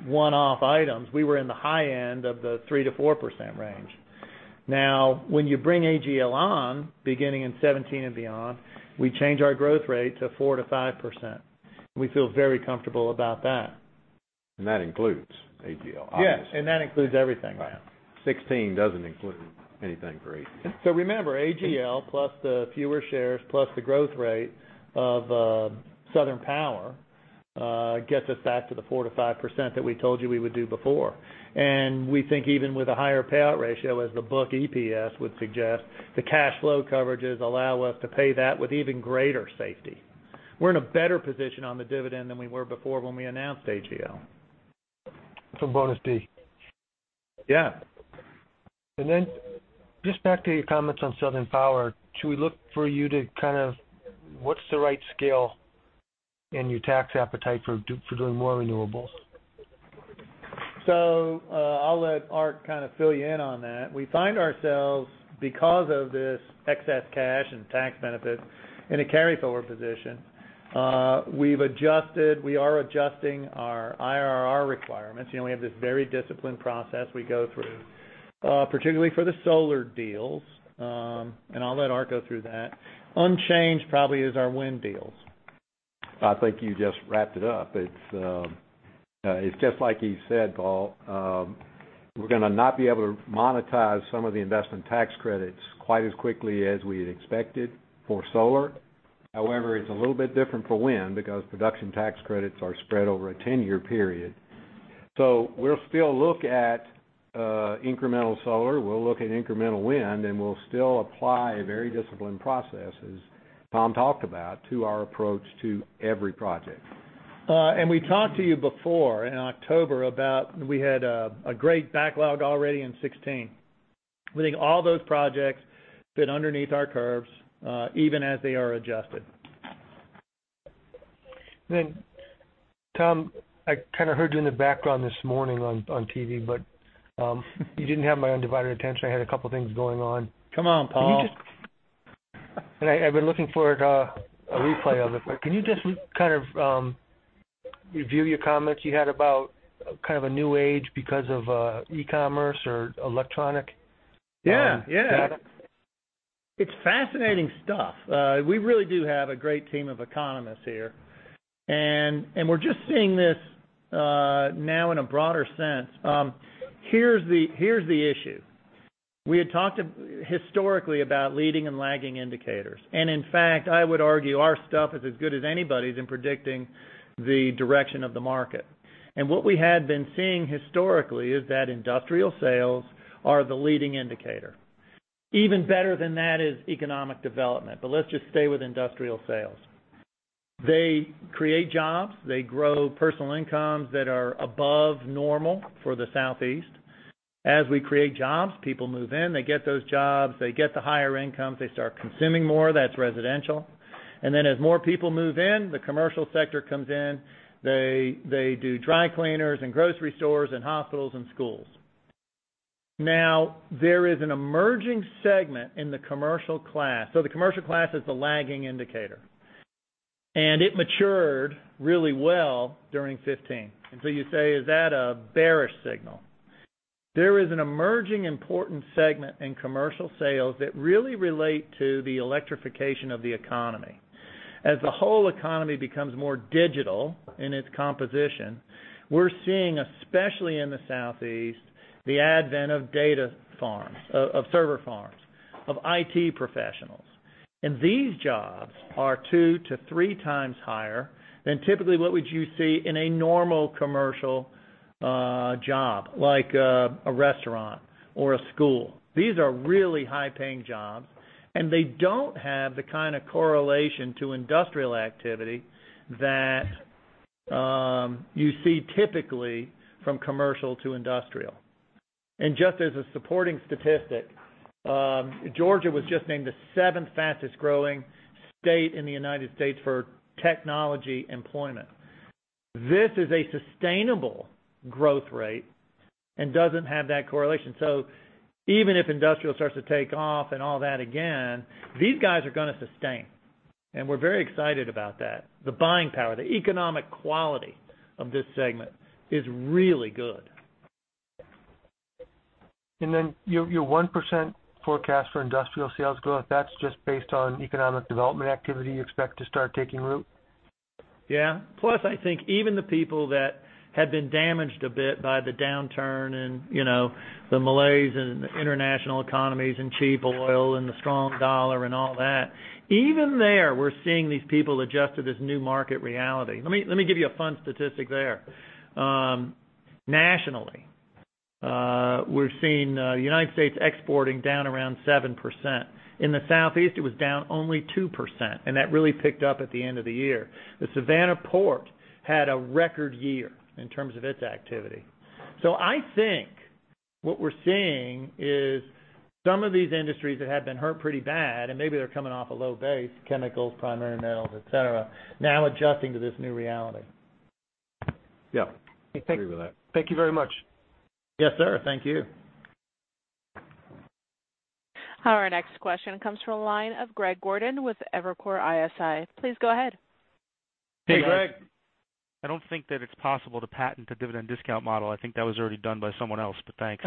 one-off items, we were in the high end of the 3%-4% range. When you bring AGL on, beginning in 2017 and beyond, we change our growth rate to 4%-5%. We feel very comfortable about that. That includes AGL, obviously. Yes, that includes everything. Right. 2016 doesn't include anything for AGL. Remember, AGL plus the fewer shares, plus the growth rate of Southern Power, gets us back to the 4%-5% that we told you we would do before. We think even with a higher payout ratio as the book EPS would suggest, the cash flow coverages allow us to pay that with even greater safety. We're in a better position on the dividend than we were before when we announced AGL. For bonus P. Yeah. Just back to your comments on Southern Power. Should we look for you to What's the right scale in your tax appetite for doing more renewables? I'll let Art kind of fill you in on that. We find ourselves, because of this excess cash and tax benefit, in a carry forward position. We are adjusting our IRR requirements. We have this very disciplined process we go through, particularly for the solar deals. I'll let Art go through that. Unchanged probably is our wind deals. I think you just wrapped it up. It's just like he said, Paul. We're going to not be able to monetize some of the investment tax credits quite as quickly as we had expected for solar. However, it's a little bit different for wind because production tax credits are spread over a 10-year period. We'll still look at incremental solar, we'll look at incremental wind, and we'll still apply a very disciplined process, as Tom talked about, to our approach to every project. We talked to you before in October about how we had a great backlog already in 2016. We think all those projects fit underneath our curves, even as they are adjusted. Tom, I kind of heard you in the background this morning on TV, you didn't have my undivided attention. I had a couple things going on. Come on, Paul. I've been looking for a replay of it, can you just kind of review your comments you had about kind of a new age because of e-commerce or electronic? Yeah. It's fascinating stuff. We really do have a great team of economists here, we're just seeing this now in a broader sense. Here's the issue. We had talked historically about leading and lagging indicators. In fact, I would argue our stuff is as good as anybody's in predicting the direction of the market. What we had been seeing historically is that industrial sales are the leading indicator. Even better than that is economic development, let's just stay with industrial sales. They create jobs. They grow personal incomes that are above normal for the Southeast. As we create jobs, people move in, they get those jobs, they get the higher incomes, they start consuming more. That's residential. Then as more people move in, the commercial sector comes in. They do dry cleaners and grocery stores and hospitals and schools. There is an emerging segment in the commercial class. The commercial class is the lagging indicator. It matured really well during 2015. You say, "Is that a bearish signal?" There is an emerging important segment in commercial sales that really relate to the electrification of the economy. As the whole economy becomes more digital in its composition, we're seeing, especially in the Southeast, the advent of data farms, of server farms, of IT professionals. These jobs are two to three times higher than typically what would you see in a normal commercial job, like a restaurant or a school. These are really high-paying jobs, and they don't have the kind of correlation to industrial activity that you see typically from commercial to industrial. Just as a supporting statistic, Georgia was just named the seventh fastest growing state in the U.S. for technology employment. This is a sustainable growth rate and doesn't have that correlation. Even if industrial starts to take off and all that again, these guys are going to sustain. We're very excited about that. The buying power, the economic quality of this segment is really good. Your 1% forecast for industrial sales growth, that's just based on economic development activity you expect to start taking root? Yeah. Plus, I think even the people that had been damaged a bit by the downturn and the malaise in the international economies and cheap oil and the strong dollar and all that, even there, we're seeing these people adjust to this new market reality. Let me give you a fun statistic there. Nationally, we're seeing the U.S. exporting down around 7%. In the Southeast, it was down only 2%, and that really picked up at the end of the year. The Savannah Port had a record year in terms of its activity. I think what we're seeing is some of these industries that had been hurt pretty bad, and maybe they're coming off a low base, chemicals, primary metals, et cetera, now adjusting to this new reality. Yeah. I agree with that. Thank you very much. Yes, sir. Thank you. Our next question comes from the line of Greg Gordon with Evercore ISI. Please go ahead. Hey, Greg. I don't think that it's possible to patent a dividend discount model. I think that was already done by someone else, thanks.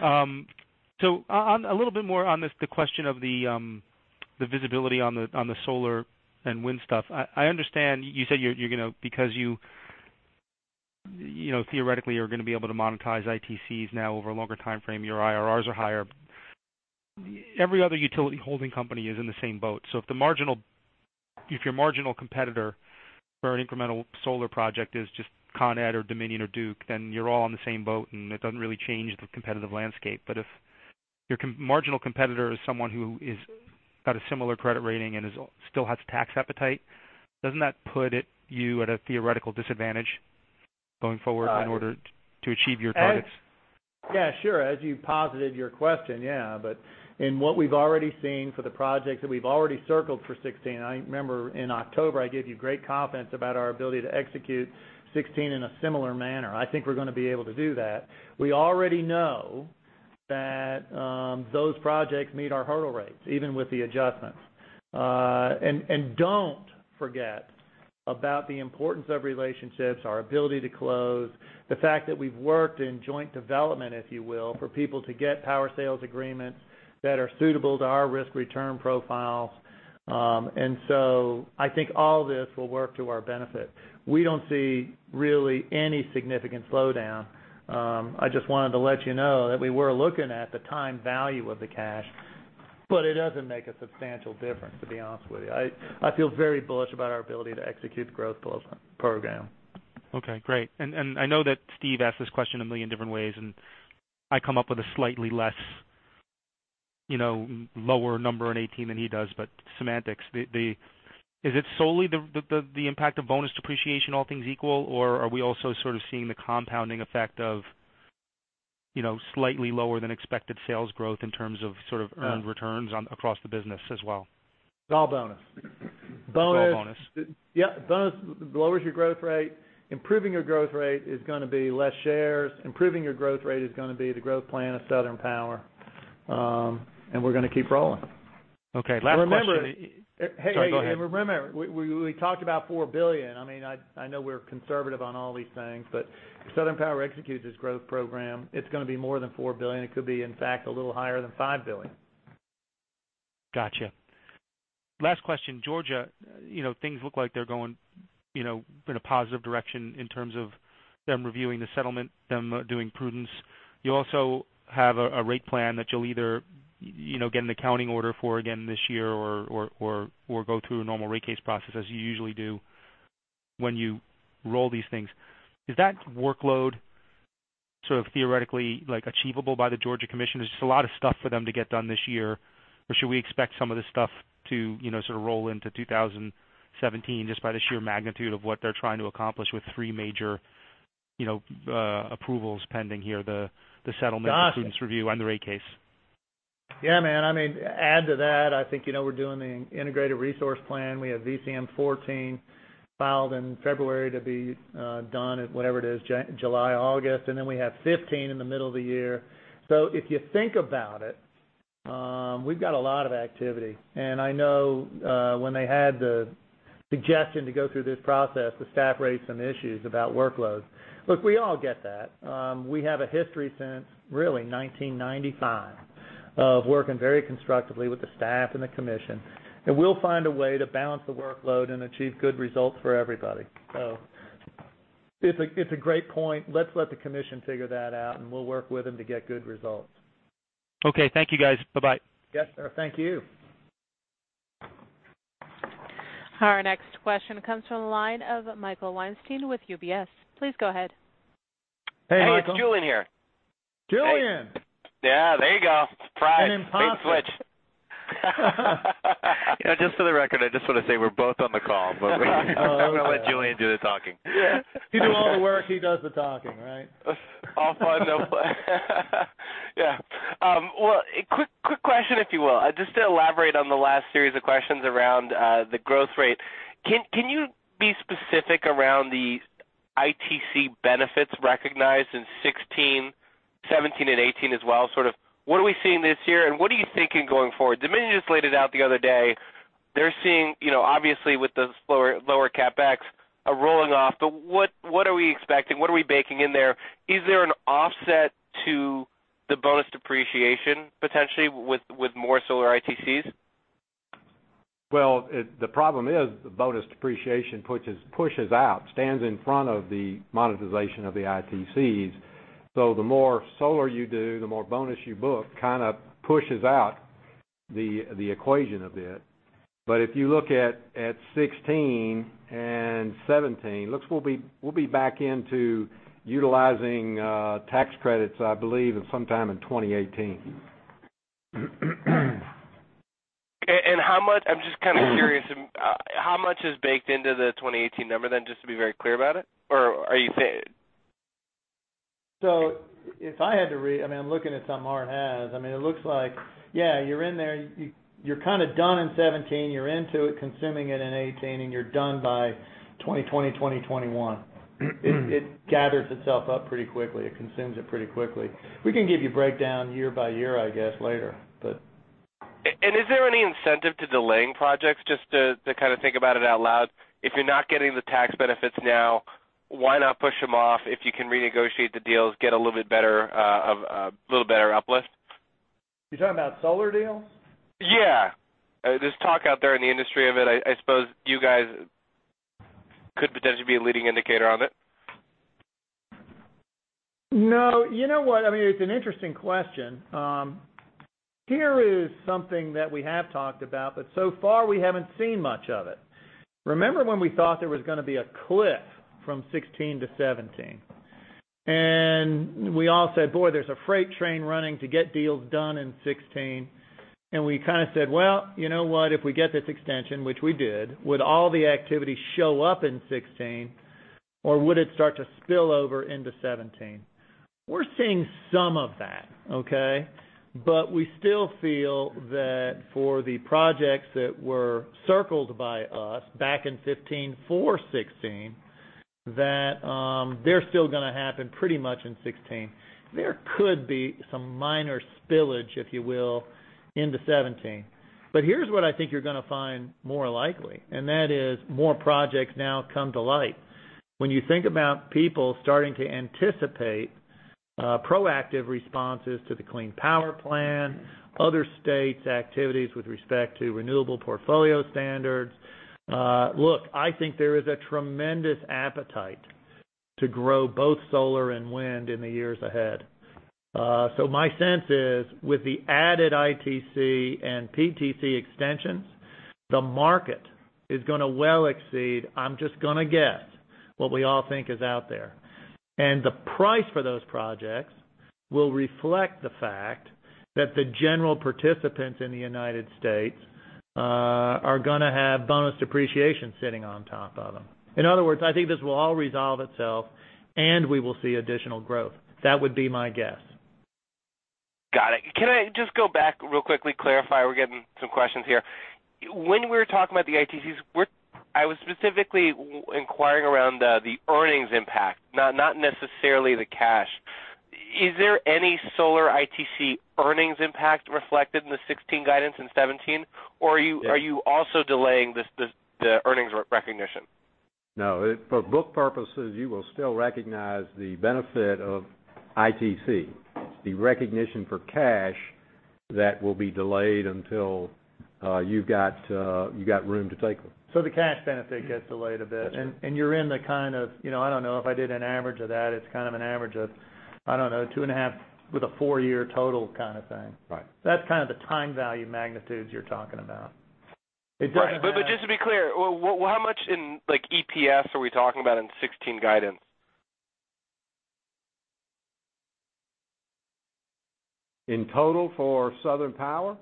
A little bit more on the question of the visibility on the solar and wind stuff. I understand you said because you theoretically are going to be able to monetize ITCs now over a longer timeframe, your IRRs are higher. Every other utility holding company is in the same boat. If your marginal competitor for an incremental solar project is just Con Ed or Dominion or Duke, then you're all in the same boat, and it doesn't really change the competitive landscape. If your marginal competitor is someone who has got a similar credit rating and still has tax appetite, doesn't that put you at a theoretical disadvantage going forward in order to achieve your targets? Yeah, sure, as you posited your question, yeah. In what we've already seen for the projects that we've already circled for 2016, I remember in October, I gave you great confidence about our ability to execute 2016 in a similar manner. I think we're going to be able to do that. We already know that those projects meet our hurdle rates, even with the adjustments. Don't forget about the importance of relationships, our ability to close, the fact that we've worked in joint development, if you will, for people to get power sales agreements that are suitable to our risk-return profiles. I think all this will work to our benefit. We don't see really any significant slowdown. I just wanted to let you know that we were looking at the time value of the cash. It doesn't make a substantial difference, to be honest with you. I feel very bullish about our ability to execute the growth program. Okay, great. I know that Steve asked this question a million different ways, and I come up with a slightly less lower number in 2018 than he does, but semantics. Is it solely the impact of bonus depreciation, all things equal, or are we also sort of seeing the compounding effect of slightly lower than expected sales growth in terms of sort of earned returns across the business as well? It's all bonus. It's all bonus. Yeah. Bonus lowers your growth rate. Improving your growth rate is going to be less shares. Improving your growth rate is going to be the growth plan of Southern Power. We're going to keep rolling. Okay. Last question. Remember, Sorry, go ahead. Remember, we talked about $4 billion. I know we're conservative on all these things, but if Southern Power executes this growth program, it's going to be more than $4 billion. It could be, in fact, a little higher than $5 billion. Got you. Last question, Georgia, things look like they're going in a positive direction in terms of them reviewing the settlement, them doing prudence. You also have a rate plan that you'll either get an accounting order for again this year or go through a normal rate case process as you usually do when you roll these things. Is that workload sort of theoretically achievable by the Georgia Commission? There's a lot of stuff for them to get done this year. Or should we expect some of this stuff to sort of roll into 2017 just by the sheer magnitude of what they're trying to accomplish with three major approvals pending here, the settlement- Got you the prudence review, and the rate case. Yeah, man. Add to that, I think you know we're doing the Integrated Resource Plan. We have VCM 14 filed in February to be done at whatever it is, July, August, and then we have 15 in the middle of the year. If you think about it, we've got a lot of activity. I know when they had the suggestion to go through this process, the staff raised some issues about workload. Look, we all get that. We have a history since really 1995 of working very constructively with the staff and the Commission, and we'll find a way to balance the workload and achieve good results for everybody. It's a great point. Let's let the Commission figure that out, and we'll work with them to get good results. Okay. Thank you, guys. Bye-bye. Yes, sir. Thank you. Our next question comes from the line of Michael Weinstein with UBS. Please go ahead. Hey, Michael. Hey, it's Julien here. Julien. Yeah, there you go. Surprise. It's impossible. Name switch. Yeah, just for the record, I just want to say we're both on the call. I'm going to let Julien do the talking. You do all the work, he does the talking, right? All fun, no play. Yeah. A quick question, if you will. Just to elaborate on the last series of questions around the growth rate. Can you be specific around the ITC benefits recognized in 2016, 2017, and 2018 as well? Sort of, what are we seeing this year, and what are you thinking going forward? Dominion just laid it out the other day. They're seeing, obviously, with the lower CapEx are rolling off, but what are we expecting? What are we baking in there? Is there an offset to the bonus depreciation, potentially, with more solar ITCs? The problem is the bonus depreciation pushes out, stands in front of the monetization of the ITCs. The more solar you do, the more bonus you book, kind of pushes out the equation a bit. If you look at 2016 and 2017, looks we'll be back into utilizing tax credits, I believe, sometime in 2018. How much, I'm just kind of curious, how much is baked into the 2018 number, just to be very clear about it? Are you saying If I had to read, I'm looking at something Art has. It looks like, yeah, you're in there. You're kind of done in 2017. You're into it, consuming it in 2018, and you're done by 2020, 2021. It gathers itself up pretty quickly. It consumes it pretty quickly. We can give you a breakdown year by year, I guess, later. Is there any incentive to delaying projects, just to kind of think about it out loud? If you're not getting the tax benefits now, why not push them off if you can renegotiate the deals, get a little bit better uplift? You're talking about solar deals? Yeah. There's talk out there in the industry of it. I suppose you guys could potentially be a leading indicator on it. No. You know what? It's an interesting question. Here is something that we have talked about, but so far we haven't seen much of it. Remember when we thought there was going to be a cliff from 2016 to 2017, and we all said, "Boy, there's a freight train running to get deals done in 2016." We kind of said, "Well, you know what? If we get this extension," which we did, "would all the activity show up in 2016 or would it start to spill over into 2017?" We're seeing some of that, okay? We still feel that for the projects that were circled by us back in 2015 for 2016, that they're still going to happen pretty much in 2016. There could be some minor spillage, if you will, into 2017. Here's what I think you're going to find more likely, and that is more projects now come to light. When you think about people starting to anticipate proactive responses to the Clean Power Plan, other states' activities with respect to renewable portfolio standards. Look, I think there is a tremendous appetite to grow both solar and wind in the years ahead. My sense is with the added ITC and PTC extensions, the market is going to well exceed, I'm just going to guess, what we all think is out there. The price for those projects will reflect the fact that the general participants in the U.S. are going to have bonus depreciation sitting on top of them. In other words, I think this will all resolve itself, and we will see additional growth. That would be my guess. Got it. Can I just go back real quickly, clarify, we're getting some questions here. When we were talking about the ITCs, I was specifically inquiring around the earnings impact, not necessarily the cash. Is there any solar ITC earnings impact reflected in the 2016 guidance in 2017? Are you also delaying the earnings recognition? No. For book purposes, you will still recognize the benefit of ITC. It's the recognition for cash that will be delayed until you've got room to take them. The cash benefit gets delayed a bit. That's right. You're in the kind of, I don't know if I did an average of that, it's an average of, I don't know, two and a half with a four-year total kind of thing. Right. That's the time value magnitudes you're talking about. Just to be clear, how much in EPS are we talking about in 2016 guidance? In total for Southern Power?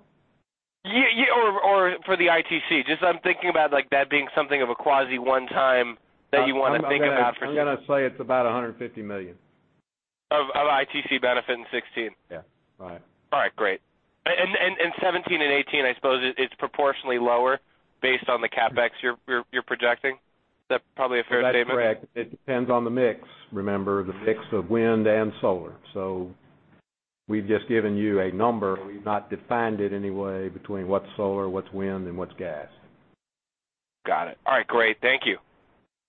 For the ITC. Just I'm thinking about that being something of a quasi one-time that you want to think about. I'm going to say it's about $150 million. Of ITC benefit in 2016? Yeah. Right. All right, great. 2017 and 2018, I suppose it's proportionally lower based on the CapEx you're projecting? Is that probably a fair statement? That's correct. It depends on the mix. Remember, the mix of wind and solar. We've just given you a number. We've not defined it any way between what's solar, what's wind, and what's gas. Got it. All right, great. Thank you.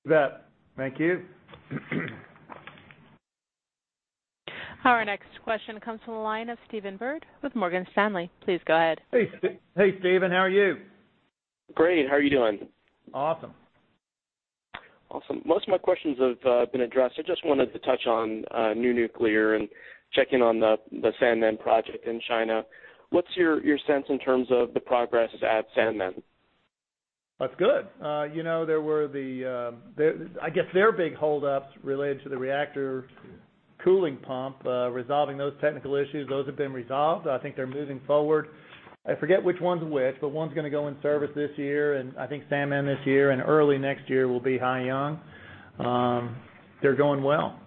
You bet. Thank you. Our next question comes from the line of Stephen Byrd with Morgan Stanley. Please go ahead. Hey, Stephen. How are you? Great. How are you doing? Awesome. Awesome. Most of my questions have been addressed. I just wanted to touch on new nuclear and check in on the Sanmen project in China. What's your sense in terms of the progress at Sanmen? That's good. I guess their big holdups related to the reactor cooling pump, resolving those technical issues, those have been resolved. I think they're moving forward. I forget which one's which, but one's going to go in service this year, and I think Sanmen this year and early next year will be Haiyang. They're going well.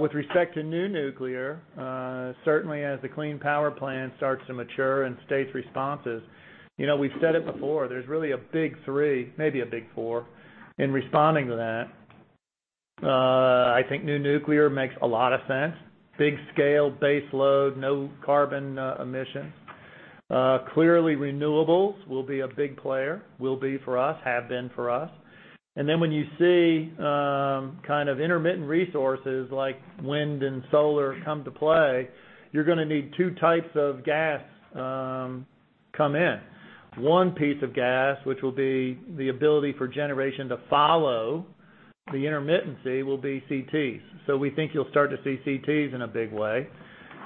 With respect to new nuclear, certainly as the Clean Power Plan starts to mature and states' responses. We've said it before, there's really a big three, maybe a big four, in responding to that. I think new nuclear makes a lot of sense. Big scale, base load, no carbon emission. Clearly renewables will be a big player, will be for us, have been for us. When you see intermittent resources like wind and solar come to play, you're going to need two types of gas come in. One piece of gas, which will be the ability for generation to follow the intermittency, will be CTs. We think you'll start to see CTs in a big way.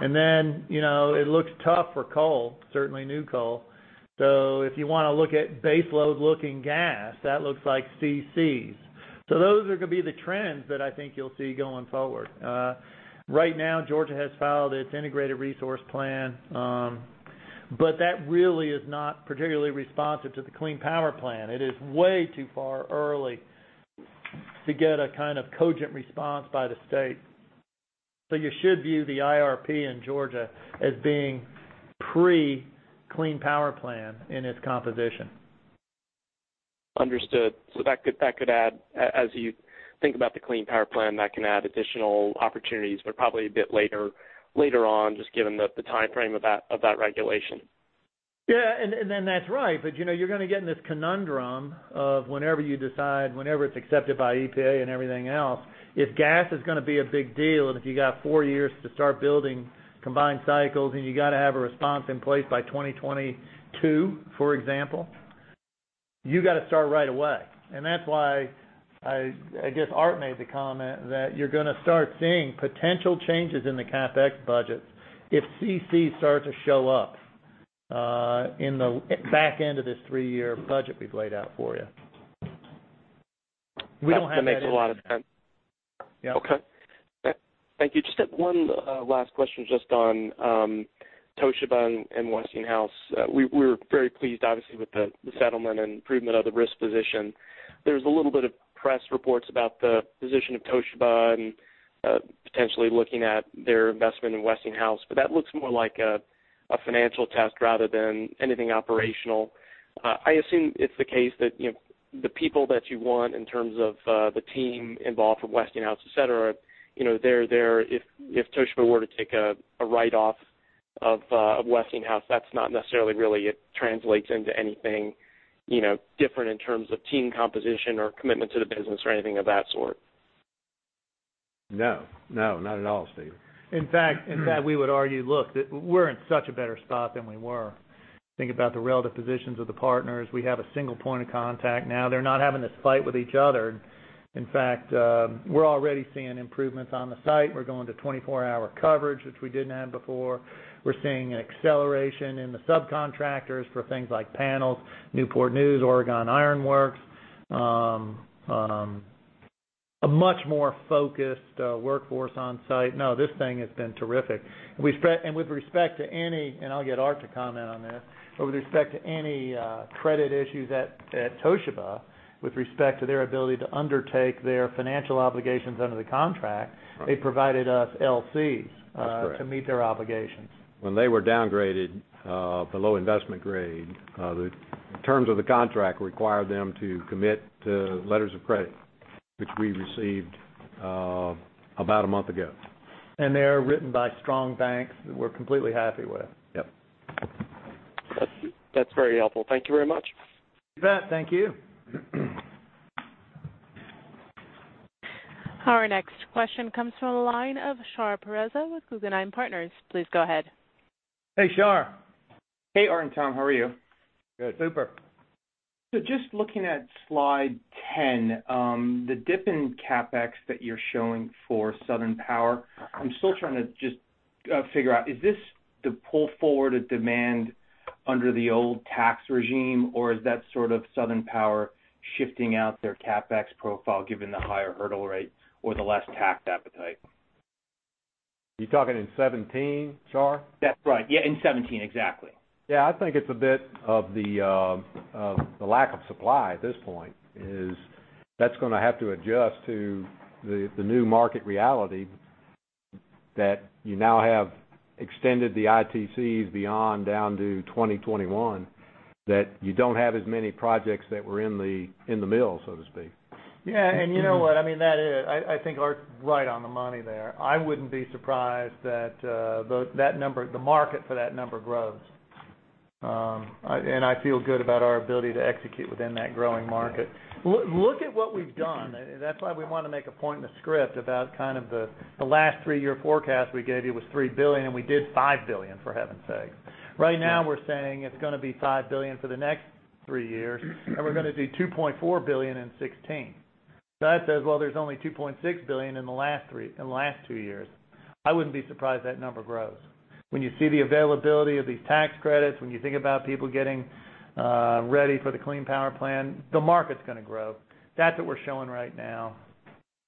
It looks tough for coal, certainly new coal. If you want to look at base load looking gas, that looks like CCs. Those are going to be the trends that I think you'll see going forward. Right now, Georgia has filed its integrated resource plan. That really is not particularly responsive to the Clean Power Plan. It is way too far early to get a kind of cogent response by the state. You should view the IRP in Georgia as being pre-Clean Power Plan in its composition. Understood. As you think about the Clean Power Plan, that can add additional opportunities, but probably a bit later on, just given the timeframe of that regulation. Yeah. That's right, but you're going to get in this conundrum of whenever you decide, whenever it's accepted by EPA and everything else, if gas is going to be a big deal, and if you've got four years to start building combined cycles, and you got to have a response in place by 2022, for example, you got to start right away. That's why, I guess Art made the comment that you're going to start seeing potential changes in the CapEx budgets if CCs start to show up in the back end of this three-year budget we've laid out for you. That makes a lot of sense. Yeah. Okay. Thank you. Just one last question just on Toshiba and Westinghouse. We're very pleased, obviously, with the settlement and improvement of the risk position. There's a little bit of press reports about the position of Toshiba and potentially looking at their investment in Westinghouse, but that looks more like a financial test rather than anything operational. I assume it's the case that the people that you want in terms of the team involved from Westinghouse, et cetera, they're there if Toshiba were to take a write-off of Westinghouse, that's not necessarily really it translates into anything different in terms of team composition or commitment to the business or anything of that sort. No. Not at all, Stephen. We would argue, look, that we're in such a better spot than we were. Think about the relative positions of the partners. We have a single point of contact now. They're not having this fight with each other. In fact, we're already seeing improvements on the site. We're going to 24-hour coverage, which we didn't have before. We're seeing an acceleration in the subcontractors for things like panels, Newport News, Oregon Iron Works. A much more focused workforce on site. This thing has been terrific. With respect to any, and I'll get Art to comment on this, but with respect to any credit issues at Toshiba, with respect to their ability to undertake their financial obligations under the contract- Right they provided us LCs- That's correct to meet their obligations. When they were downgraded below investment grade, the terms of the contract required them to commit to letters of credit, which we received about a month ago. They are written by strong banks that we're completely happy with. Yep. That's very helpful. Thank you very much. You bet. Thank you. Our next question comes from the line of Shahriar Pourreza with Guggenheim Partners. Please go ahead. Hey, Shar. Hey, Art and Tom. How are you? Good. Super. Just looking at slide 10, the dip in CapEx that you're showing for Southern Power, I'm still trying to just figure out, is this the pull forward of demand under the old tax regime, or is that sort of Southern Power shifting out their CapEx profile given the higher hurdle rate or the less taxed appetite? You're talking in 2017, Shar? That's right. Yeah, in 2017. Exactly. Yeah. I think it's a bit of the lack of supply at this point is that's going to have to adjust to the new market reality that you now have extended the ITCs beyond down to 2021, that you don't have as many projects that were in the mill, so to speak. Yeah, you know what I mean? I think Art's right on the money there. I wouldn't be surprised that the market for that number grows. I feel good about our ability to execute within that growing market. Look at what we've done. That's why we want to make a point in the script about kind of the last 3-year forecast we gave you was $3 billion, and we did $5 billion, for heaven's sakes. Right now, we're saying it's going to be $5 billion for the next 3 years, and we're going to do $2.4 billion in 2016. That says, well, there's only $2.6 billion in the last 2 years. I wouldn't be surprised if that number grows. When you see the availability of these tax credits, when you think about people getting ready for the Clean Power Plan, the market's going to grow. That we're showing right now,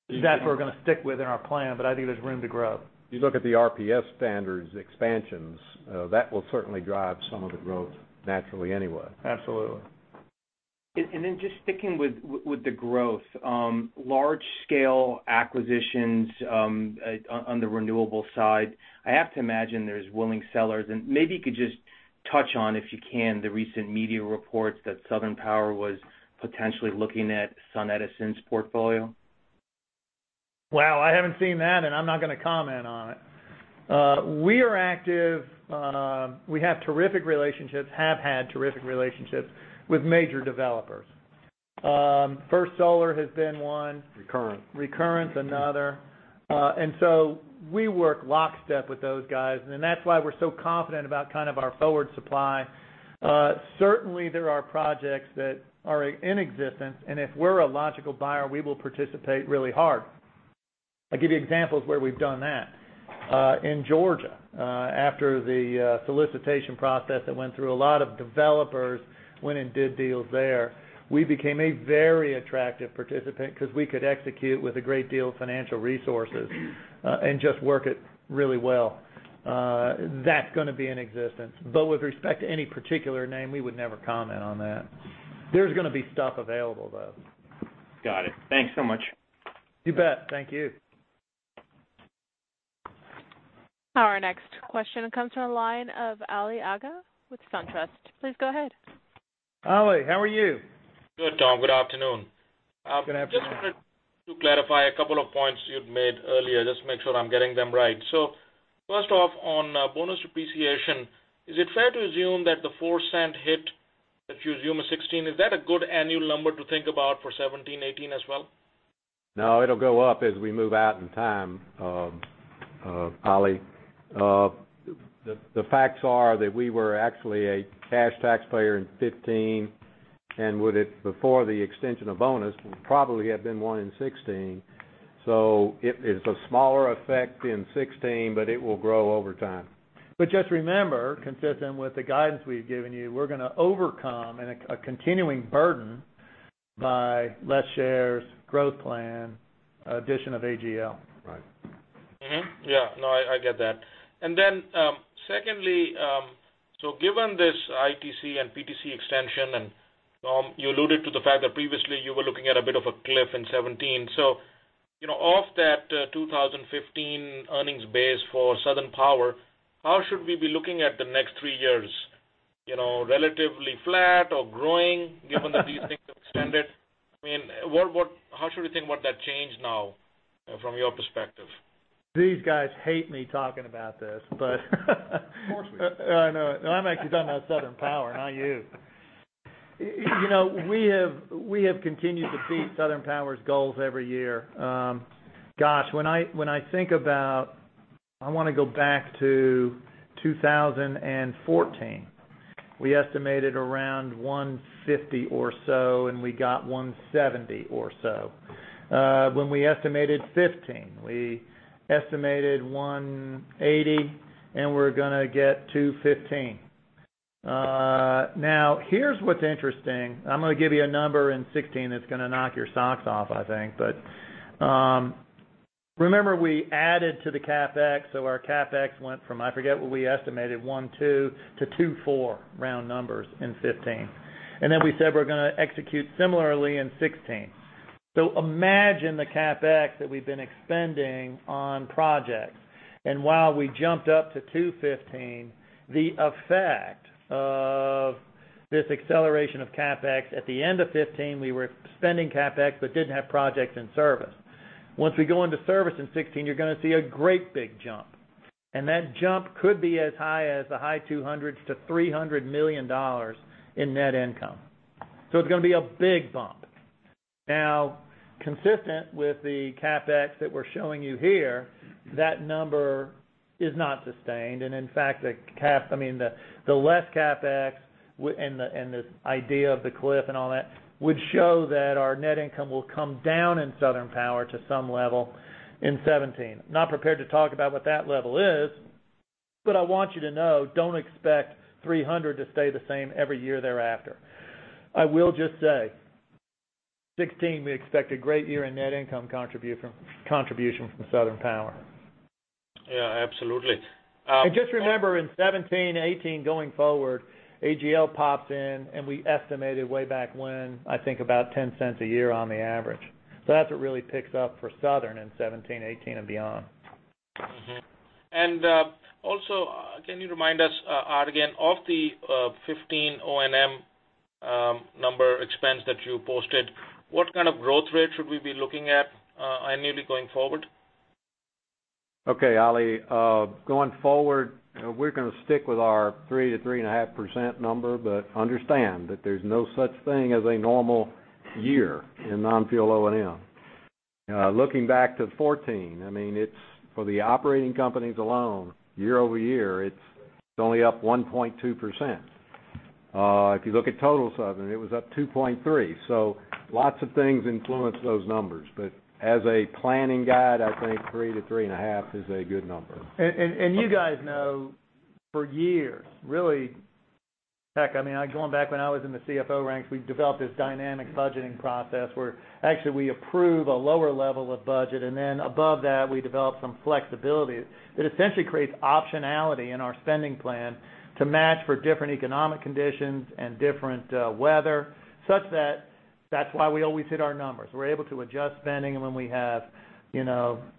that's what we're going to stick with in our plan. I think there's room to grow. You look at the RPS standards expansions, that will certainly drive some of the growth naturally anyway. Absolutely. Just sticking with the growth, large-scale acquisitions on the renewable side, I have to imagine there's willing sellers. Maybe you could just touch on, if you can, the recent media reports that Southern Power was potentially looking at SunEdison's portfolio. Wow, I haven't seen that. I'm not going to comment on it. We are active. We have terrific relationships, have had terrific relationships with major developers. First Solar has been one. Recurrent. Recurrent, another. We work lockstep with those guys, that's why we're so confident about kind of our forward supply. Certainly, there are projects that are in existence, and if we're a logical buyer, we will participate really hard. I'll give you examples of where we've done that. In Georgia, after the solicitation process that went through, a lot of developers went and did deals there. We became a very attractive participant because we could execute with a great deal of financial resources and just work it really well. That's going to be in existence. With respect to any particular name, we would never comment on that. There's going to be stuff available, though. Got it. Thanks so much. You bet. Thank you. Our next question comes from the line of Ali Agha with SunTrust. Please go ahead. Ali, how are you? Good, Tom. Good afternoon. Good afternoon. Just wanted to clarify a couple of points you'd made earlier, just to make sure I'm getting them right. First off, on bonus depreciation, is it fair to assume that the 4-cent hit, if you assume a 2016, is that a good annual number to think about for 2017, 2018 as well? No, it'll go up as we move out in time, Ali. The facts are that we were actually a cash taxpayer in 2015, and before the extension of bonus, we probably have been one in 2016. It is a smaller effect in 2016, but it will grow over time. Just remember, consistent with the guidance we've given you, we're going to overcome a continuing burden by less shares, growth plan, addition of AGL. Right. Mm-hmm. Yeah, no, I get that. Secondly, given this ITC and PTC extension, and Tom, you alluded to the fact that previously you were looking at a bit of a cliff in 2017. Off that 2015 earnings base for Southern Power, how should we be looking at the next three years? Relatively flat or growing given that these things have extended? How should we think about that change now from your perspective? These guys hate me talking about this. Of course we do. I know. No, I'm actually talking about Southern Power, not you. We have continued to beat Southern Power's goals every year. Gosh, when I think about I want to go back to 2014. We estimated around 150 or so, and we got 170 or so. When we estimated 2015, we estimated 180, and we're going to get 215. Here's what's interesting. I'm going to give you a number in 2016 that's going to knock your socks off, I think. Remember we added to the CapEx, so our CapEx went from, I forget what we estimated, one two to two four, round numbers, in 2015. We said we're going to execute similarly in 2016. Imagine the CapEx that we've been expending on projects. While we jumped up to 215, the effect of this acceleration of CapEx, at the end of 2015, we were spending CapEx, but didn't have projects in service. Once we go into service in 2016, you're going to see a great big jump. That jump could be as high as the high $200s to $300 million in net income. It's going to be a big bump. Consistent with the CapEx that we're showing you here, that number is not sustained. In fact, the less CapEx and this idea of the cliff and all that would show that our net income will come down in Southern Power to some level in 2017. Not prepared to talk about what that level is, I want you to know, don't expect 300 to stay the same every year thereafter. I will just say, 2016 we expect a great year in net income contribution from Southern Power. Yeah, absolutely. Just remember, in 2017, 2018 going forward, AGL pops in and we estimated way back when, I think about $0.10 a year on the average. That's what really picks up for Southern in 2017, 2018, and beyond. Also, can you remind us, Art, again, of the 2015 O&M number expense that you posted, what kind of growth rate should we be looking at annually going forward? Okay, Ali. Going forward, we're going to stick with our 3%-3.5% number, but understand that there's no such thing as a normal year in non-fuel O&M. Looking back to 2014, for the operating companies alone, year-over-year, it's only up 1.2%. If you look at total Southern, it was up 2.3%. Lots of things influence those numbers. As a planning guide, I think 3%-3.5% is a good number. You guys know for years, really, heck, going back when I was in the CFO ranks, we've developed this dynamic budgeting process where actually we approve a lower level of budget and then above that, we develop some flexibility that essentially creates optionality in our spending plan to match for different economic conditions and different weather. Such that's why we always hit our numbers. We're able to adjust spending. When we have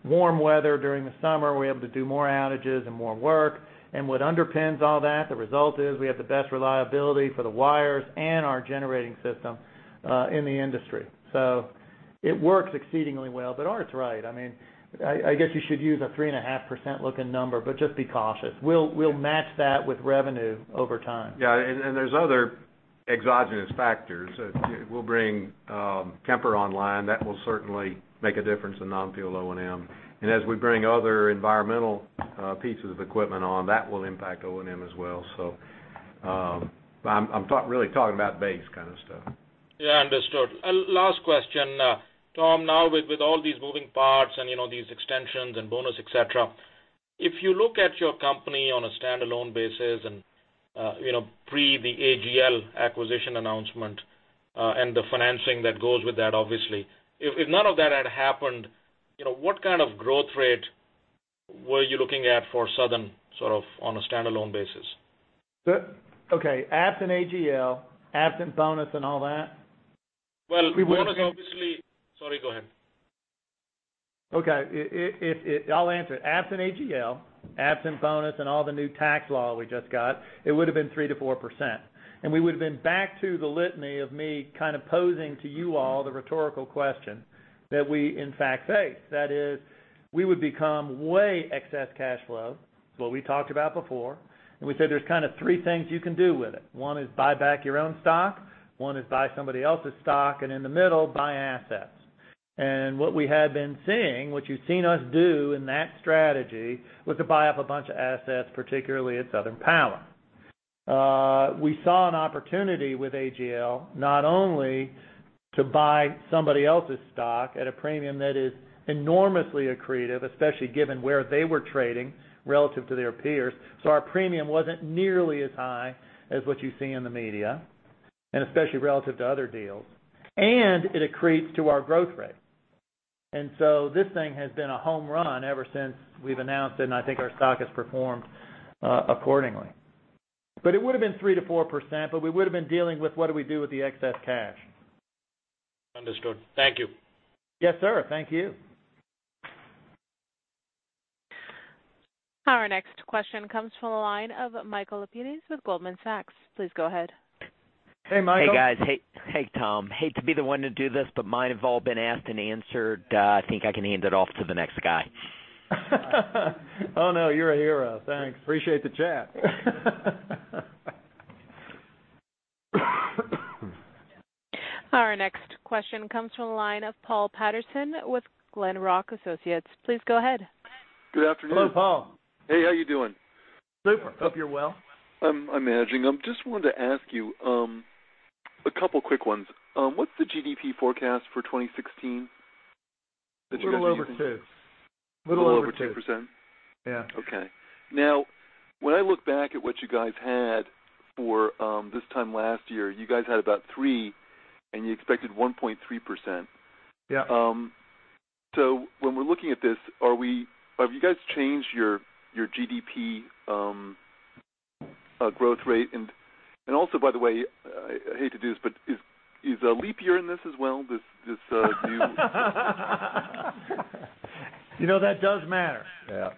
warm weather during the summer, we're able to do more outages and more work. What underpins all that, the result is we have the best reliability for the wires and our generating system in the industry. It works exceedingly well, but Art's right. I guess you should use a 3.5%-looking number, just be cautious. We'll match that with revenue over time. Yeah, there's other exogenous factors. We'll bring Kemper online. That will certainly make a difference in non-fuel O&M. As we bring other environmental pieces of equipment on, that will impact O&M as well. I'm really talking about base kind of stuff. Yeah, understood. Last question. Tom, now with all these moving parts and these extensions and bonus, et cetera, if you look at your company on a standalone basis and pre the AGL acquisition announcement, and the financing that goes with that, obviously. If none of that had happened, what kind of growth rate were you looking at for Southern sort of on a standalone basis? Okay. Absent AGL, absent bonus, and all that? Well, bonus obviously. Sorry, go ahead. Okay. I'll answer it. Absent AGL, absent bonus, and all the new tax law we just got, it would've been 3% to 4%. We would've been back to the litany of me kind of posing to you all the rhetorical question that we in fact face. That is, we would become way excess cash flow. It's what we talked about before, and we said there's kind of three things you can do with it. One is buy back your own stock, one is buy somebody else's stock, and in the middle, buy assets. What we had been seeing, what you've seen us do in that strategy, was to buy up a bunch of assets, particularly at Southern Power. We saw an opportunity with AGL not only to buy somebody else's stock at a premium that is enormously accretive, especially given where they were trading relative to their peers. Our premium wasn't nearly as high as what you see in the media, and especially relative to other deals. It accretes to our growth rate. This thing has been a home run ever since we've announced it, and I think our stock has performed accordingly. It would've been 3% to 4%, but we would've been dealing with what do we do with the excess cash. Understood. Thank you. Yes, sir. Thank you. Our next question comes from the line of Michael Lapides with Goldman Sachs. Please go ahead. Hey, Michael. Hey, guys. Hey, Tom. Hate to be the one to do this. Mine have all been asked and answered. I think I can hand it off to the next guy. Oh, no, you're a hero. Thanks. Appreciate the chat. Our next question comes from the line of Paul Patterson with Glenrock Associates. Please go ahead. Good afternoon. Hello, Paul. Hey, how you doing? Super. Hope you're well. I'm managing. I just wanted to ask you a couple quick ones. What's the GDP forecast for 2016 that you guys are using? Little over 2%. Little over 2%? Yeah. Okay. When I look back at what you guys had for this time last year, you guys had about 3% and you expected 1.3%. Yeah. When we're looking at this, have you guys changed your GDP growth rate? By the way, I hate to do this, is leap year in this as well? This new. You know, that does matter. Yeah.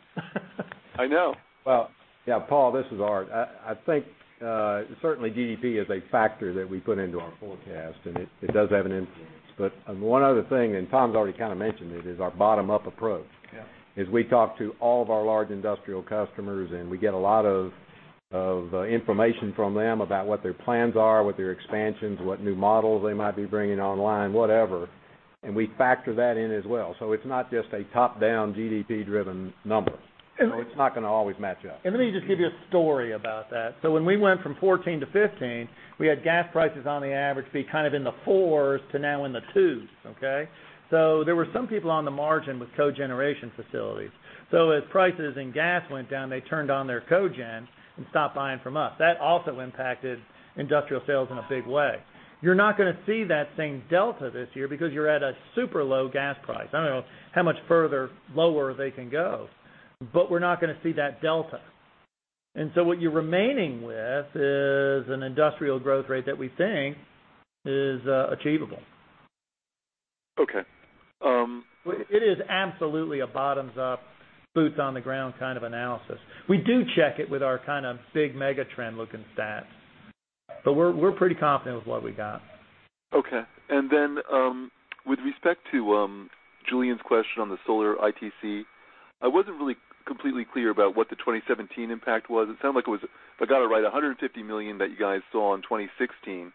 I know. Well, yeah, Paul, this is Art. I think, certainly GDP is a factor that we put into our forecast, and it does have an influence. One other thing, and Tom's already kind of mentioned it, is our bottom-up approach. Yeah. Is we talk to all of our large industrial customers. We get a lot of information from them about what their plans are, what their expansions, what new models they might be bringing online, whatever. We factor that in as well. It's not just a top-down GDP-driven number. It's not going to always match up. Let me just give you a story about that. When we went from 2014 to 2015, we had gas prices on the average be kind of in the fours to now in the twos. Okay. There were some people on the margin with cogeneration facilities. As prices and gas went down, they turned on their cogen and stopped buying from us. That also impacted industrial sales in a big way. You're not going to see that same delta this year because you're at a super low gas price. I don't know how much further lower they can go, but we're not going to see that delta. What you're remaining with is an industrial growth rate that we think is achievable. Okay. It is absolutely a bottoms-up, boots-on-the-ground kind of analysis. We do check it with our kind of big mega trend looking stats, but we're pretty confident with what we got. Okay. With respect to Julien's question on the solar ITC, I wasn't really completely clear about what the 2017 impact was. It sounded like it was, if I got it right, $150 million that you guys saw in 2016,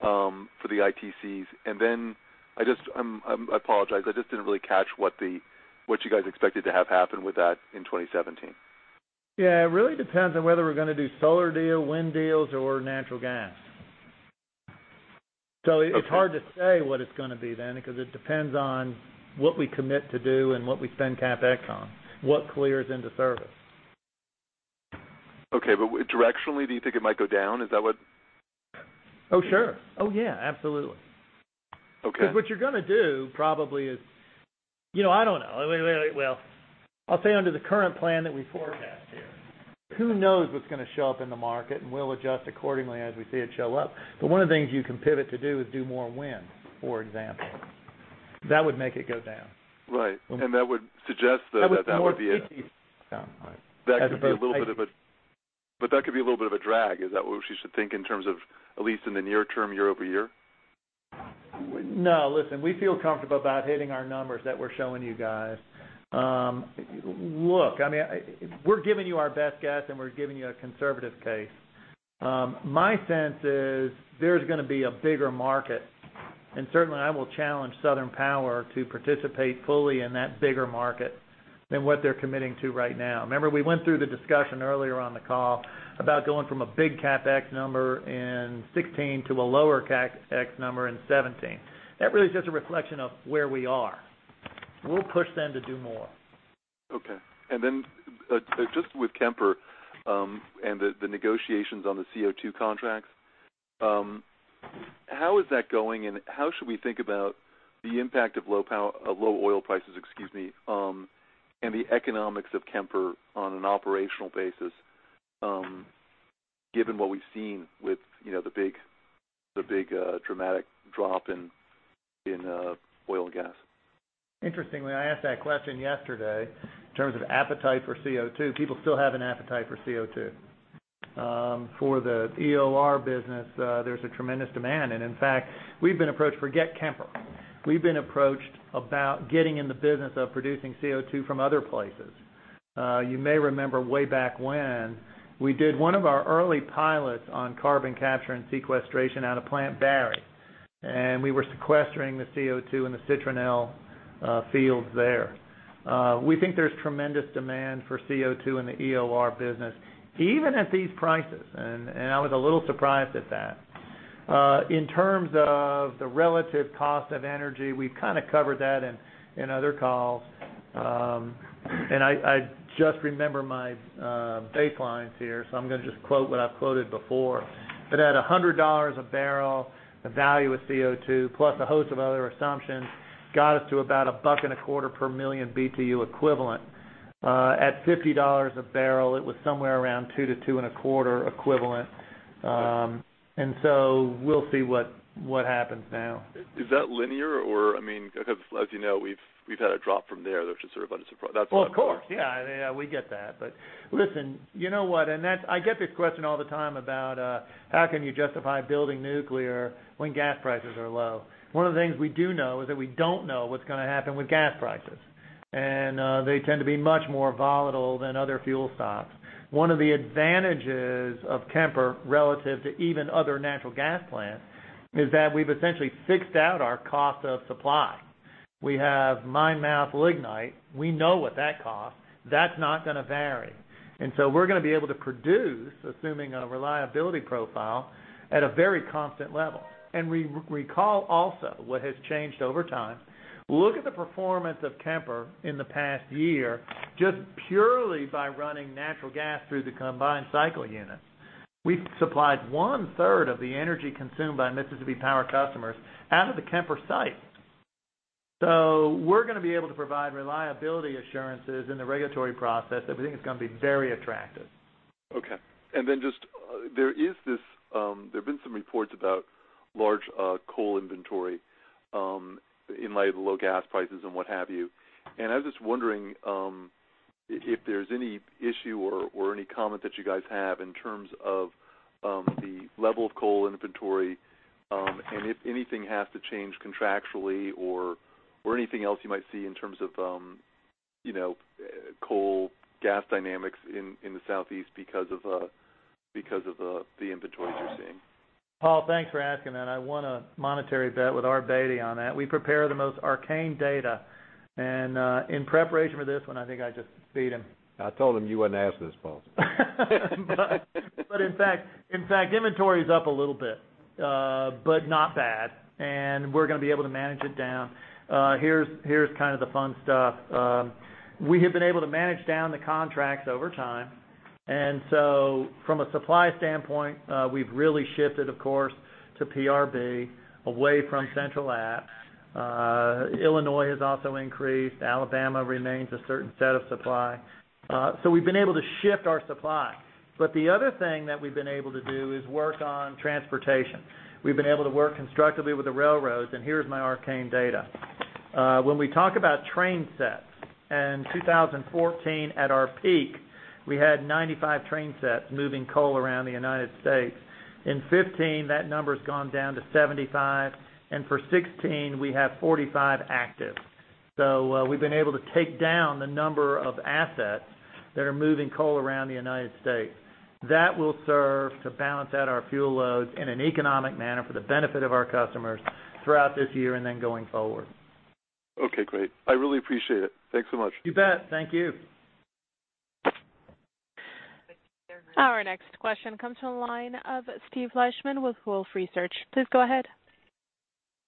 for the ITCs, I apologize, I just didn't really catch what you guys expected to have happen with that in 2017. It really depends on whether we're going to do solar deal, wind deals, or natural gas. Okay. It's hard to say what it's going to be then because it depends on what we commit to do and what we spend CapEx on, what clears into service. Okay. Directionally, do you think it might go down? Is that what Oh, sure. Oh, yeah, absolutely. Okay. What you're going to do probably is I don't know. Well, I'll say under the current plan that we forecast here, who knows what's going to show up in the market, and we'll adjust accordingly as we see it show up. One of the things you can pivot to do is do more wind, for example. That would make it go down. Right. That would suggest, though, that that would be. That would be more ITCs down, right. That could be a little bit of a drag. Is that what we should think in terms of, at least in the near term, year-over-year? No, listen, we feel comfortable about hitting our numbers that we're showing you guys. Look, we're giving you our best guess, and we're giving you a conservative case. My sense is there's going to be a bigger market, and certainly I will challenge Southern Power to participate fully in that bigger market than what they're committing to right now. Remember, we went through the discussion earlier on the call about going from a big CapEx number in 2016 to a lower CapEx number in 2017. That really is just a reflection of where we are. We'll push them to do more. Okay. Just with Kemper, and the negotiations on the CO2 contracts, how is that going, and how should we think about the impact of low oil prices, excuse me, and the economics of Kemper on an operational basis, given what we've seen with the big dramatic drop in oil and gas? Interestingly, I asked that question yesterday in terms of appetite for CO2. People still have an appetite for CO2. For the EOR business, there's a tremendous demand. We've been approached about getting in the business of producing CO2 from other places. You may remember way back when we did one of our early pilots on carbon capture and sequestration out of Plant Barry, and we were sequestering the CO2 in the Citronelle fields there. We think there's tremendous demand for CO2 in the EOR business, even at these prices, and I was a little surprised at that. In terms of the relative cost of energy, we've kind of covered that in other calls. I just remember my date lines here, so I'm going to just quote what I've quoted before. At $100 a barrel, the value of CO2, plus a host of other assumptions, got us to about a buck and a quarter per million BTU equivalent. At $50 a barrel, it was somewhere around two to two and a quarter equivalent. We'll see what happens now. Is that linear? As you know, we've had a drop from there, which is sort of unsurprising. Of course. Yeah. We get that. Listen, you know what? I get this question all the time about how can you justify building nuclear when gas prices are low. One of the things we do know is that we don't know what's going to happen with gas prices. They tend to be much more volatile than other fuel stocks. One of the advantages of Kemper relative to even other natural gas plants is that we've essentially fixed out our cost of supply. We have mine-mouth lignite. We know what that costs. That's not going to vary. So we're going to be able to produce, assuming a reliability profile, at a very constant level. Recall also what has changed over time. Look at the performance of Kemper in the past year, just purely by running natural gas through the combined cycle units. We've supplied one-third of the energy consumed by Mississippi Power customers out of the Kemper site. We're going to be able to provide reliability assurances in the regulatory process that we think is going to be very attractive. Okay. There have been some reports about large coal inventory in light of the low gas prices and what have you. I was just wondering if there's any issue or any comment that you guys have in terms of the level of coal inventory, and if anything has to change contractually or anything else you might see in terms of coal, gas dynamics in the Southeast because of the inventories you're seeing. Paul, thanks for asking that. I won a monetary bet with Art Beattie on that. We prepare the most arcane data. In preparation for this one, I think I just beat him. I told him you wouldn't ask this, Paul. In fact, inventory's up a little bit, but not bad. We're going to be able to manage it down. Here's the fun stuff. We have been able to manage down the contracts over time. From a supply standpoint, we've really shifted, of course, to PRB away from Central Appalachia. Illinois has also increased. Alabama remains a certain set of supply. We've been able to shift our supply. The other thing that we've been able to do is work on transportation. We've been able to work constructively with the railroads, and here is my arcane data. When we talk about train sets, in 2014 at our peak, we had 95 train sets moving coal around the U.S. In 2015, that number's gone down to 75, and for 2016, we have 45 active. We've been able to take down the number of assets that are moving coal around the U.S. That will serve to balance out our fuel loads in an economic manner for the benefit of our customers throughout this year and then going forward. Okay, great. I really appreciate it. Thanks so much. You bet. Thank you. Our next question comes from the line of Steve Fleishman with Wolfe Research. Please go ahead.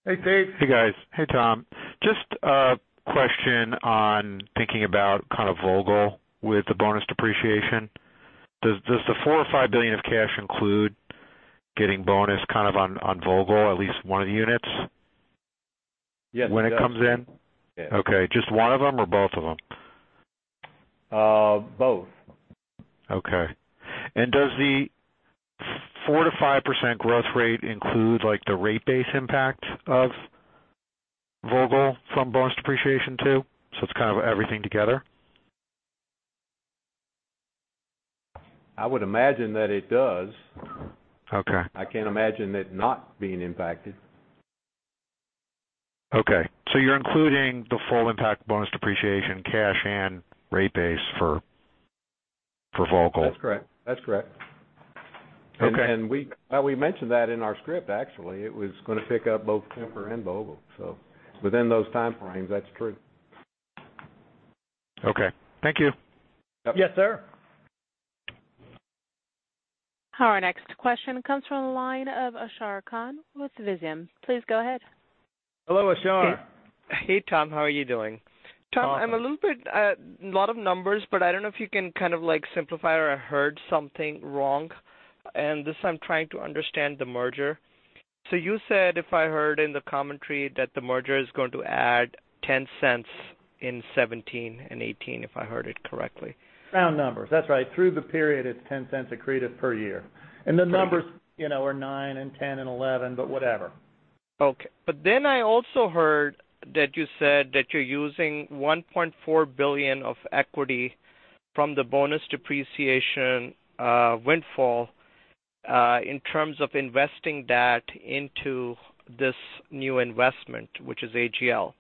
Hey, Steve. Hey, guys. Hey, Tom. Just a question on thinking about Vogtle with the bonus depreciation. Does the $4 billion or $5 billion of cash include getting bonus on Vogtle, at least one of the units- Yes, it does when it comes in? Yeah. Okay. Just one of them or both of them? Both. Okay. Does the 4%-5% growth rate include the rate base impact of Vogtle from bonus depreciation too? It's kind of everything together? I would imagine that it does. Okay. I can't imagine it not being impacted. Okay. You're including the full impact bonus depreciation cash and rate base for Vogtle. That's correct. Okay. We mentioned that in our script, actually. It was going to pick up both Kemper and Vogtle. Within those time frames, that's true. Okay. Thank you. Yep. Yes, sir. Our next question comes from the line of Ashar Khan with Visium. Please go ahead. Hello, Ashar. Hey, Tom, how are you doing? Awesome. Tom, a lot of numbers, I don't know if you can kind of simplify or I heard something wrong. This I'm trying to understand the merger. You said, if I heard in the commentary that the merger is going to add $0.10 in 2017 and 2018, if I heard it correctly. Round numbers. That's right. Through the period, it's $0.10 accretive per year. The numbers are nine and 10 and 11, whatever. Okay. I also heard that you said that you're using $1.4 billion of equity from the bonus depreciation windfall in terms of investing that into this new investment, which is AGL.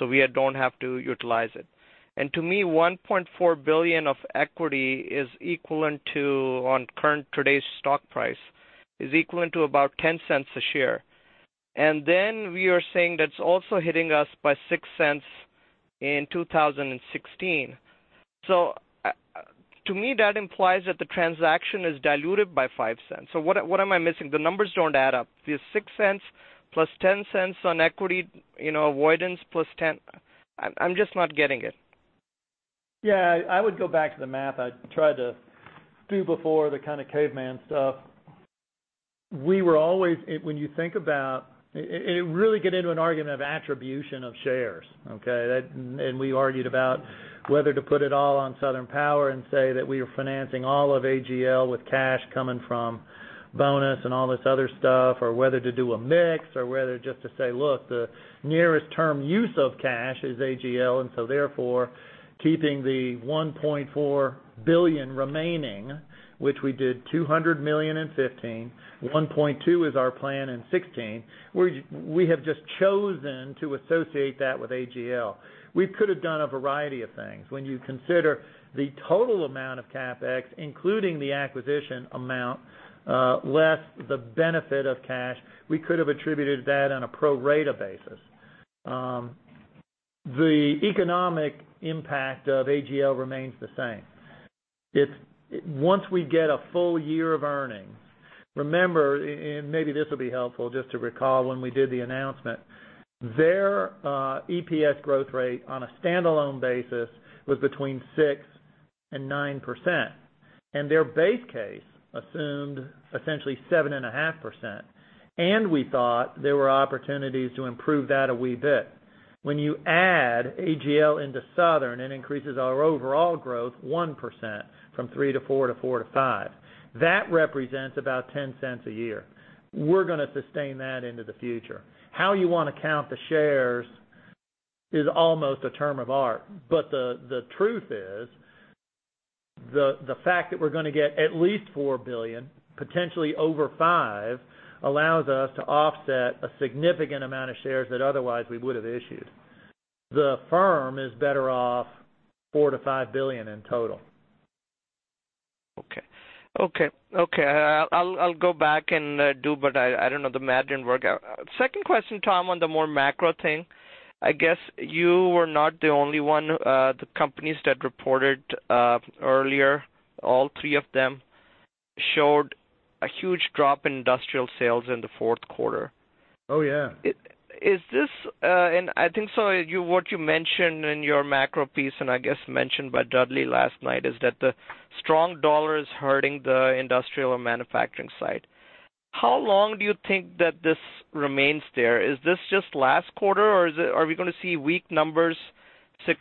We don't have to utilize it. To me, $1.4 billion of equity is equivalent to, on current today's stock price, is equivalent to about $0.10 a share. Then we are saying that's also hitting us by $0.06 in 2016. To me, that implies that the transaction is diluted by $0.05. What am I missing? The numbers don't add up. The $0.06 plus $0.10 on equity avoidance plus 10. I'm just not getting it. I would go back to the math I tried to do before the kind of caveman stuff. When you think about it really gets into an argument of attribution of shares. Okay? We argued about whether to put it all on Southern Power and say that we are financing all of AGL with cash coming from bonus and all this other stuff, or whether to do a mix, or whether just to say, "Look, the nearest term use of cash is AGL," therefore keeping the $1.4 billion remaining, which we did $200 million in 2015, $1.2 billion is our plan in 2016. We have just chosen to associate that with AGL. We could have done a variety of things. When you consider the total amount of CapEx, including the acquisition amount, less the benefit of cash, we could have attributed that on a pro-rata basis. The economic impact of AGL remains the same. Once we get a full year of earnings, remember, maybe this will be helpful just to recall when we did the announcement, their EPS growth rate on a standalone basis was between 6%-9%, and their base case assumed essentially 7.5%. We thought there were opportunities to improve that a wee bit. When you add AGL into Southern, it increases our overall growth 1%, from 3% to 4% to 4% to 5%. That represents about $0.10 a year. We're going to sustain that into the future. How you want to count the shares is almost a term of art. The truth is, the fact that we're going to get at least $4 billion, potentially over $5 billion, allows us to offset a significant amount of shares that otherwise we would have issued. The firm is better off $4 billion to $5 billion in total. Okay. I'll go back and do, but I don't know, the math didn't work out. Second question, Tom, on the more macro thing. I guess you were not the only one. The companies that reported earlier, all three of them showed a huge drop in industrial sales in the fourth quarter. Oh, yeah. Is this, I think so, what you mentioned in your macro piece and I guess mentioned by Dudley last night, is that the strong dollar is hurting the industrial and manufacturing side. How long do you think that this remains there? Is this just last quarter, or are we going to see weak numbers,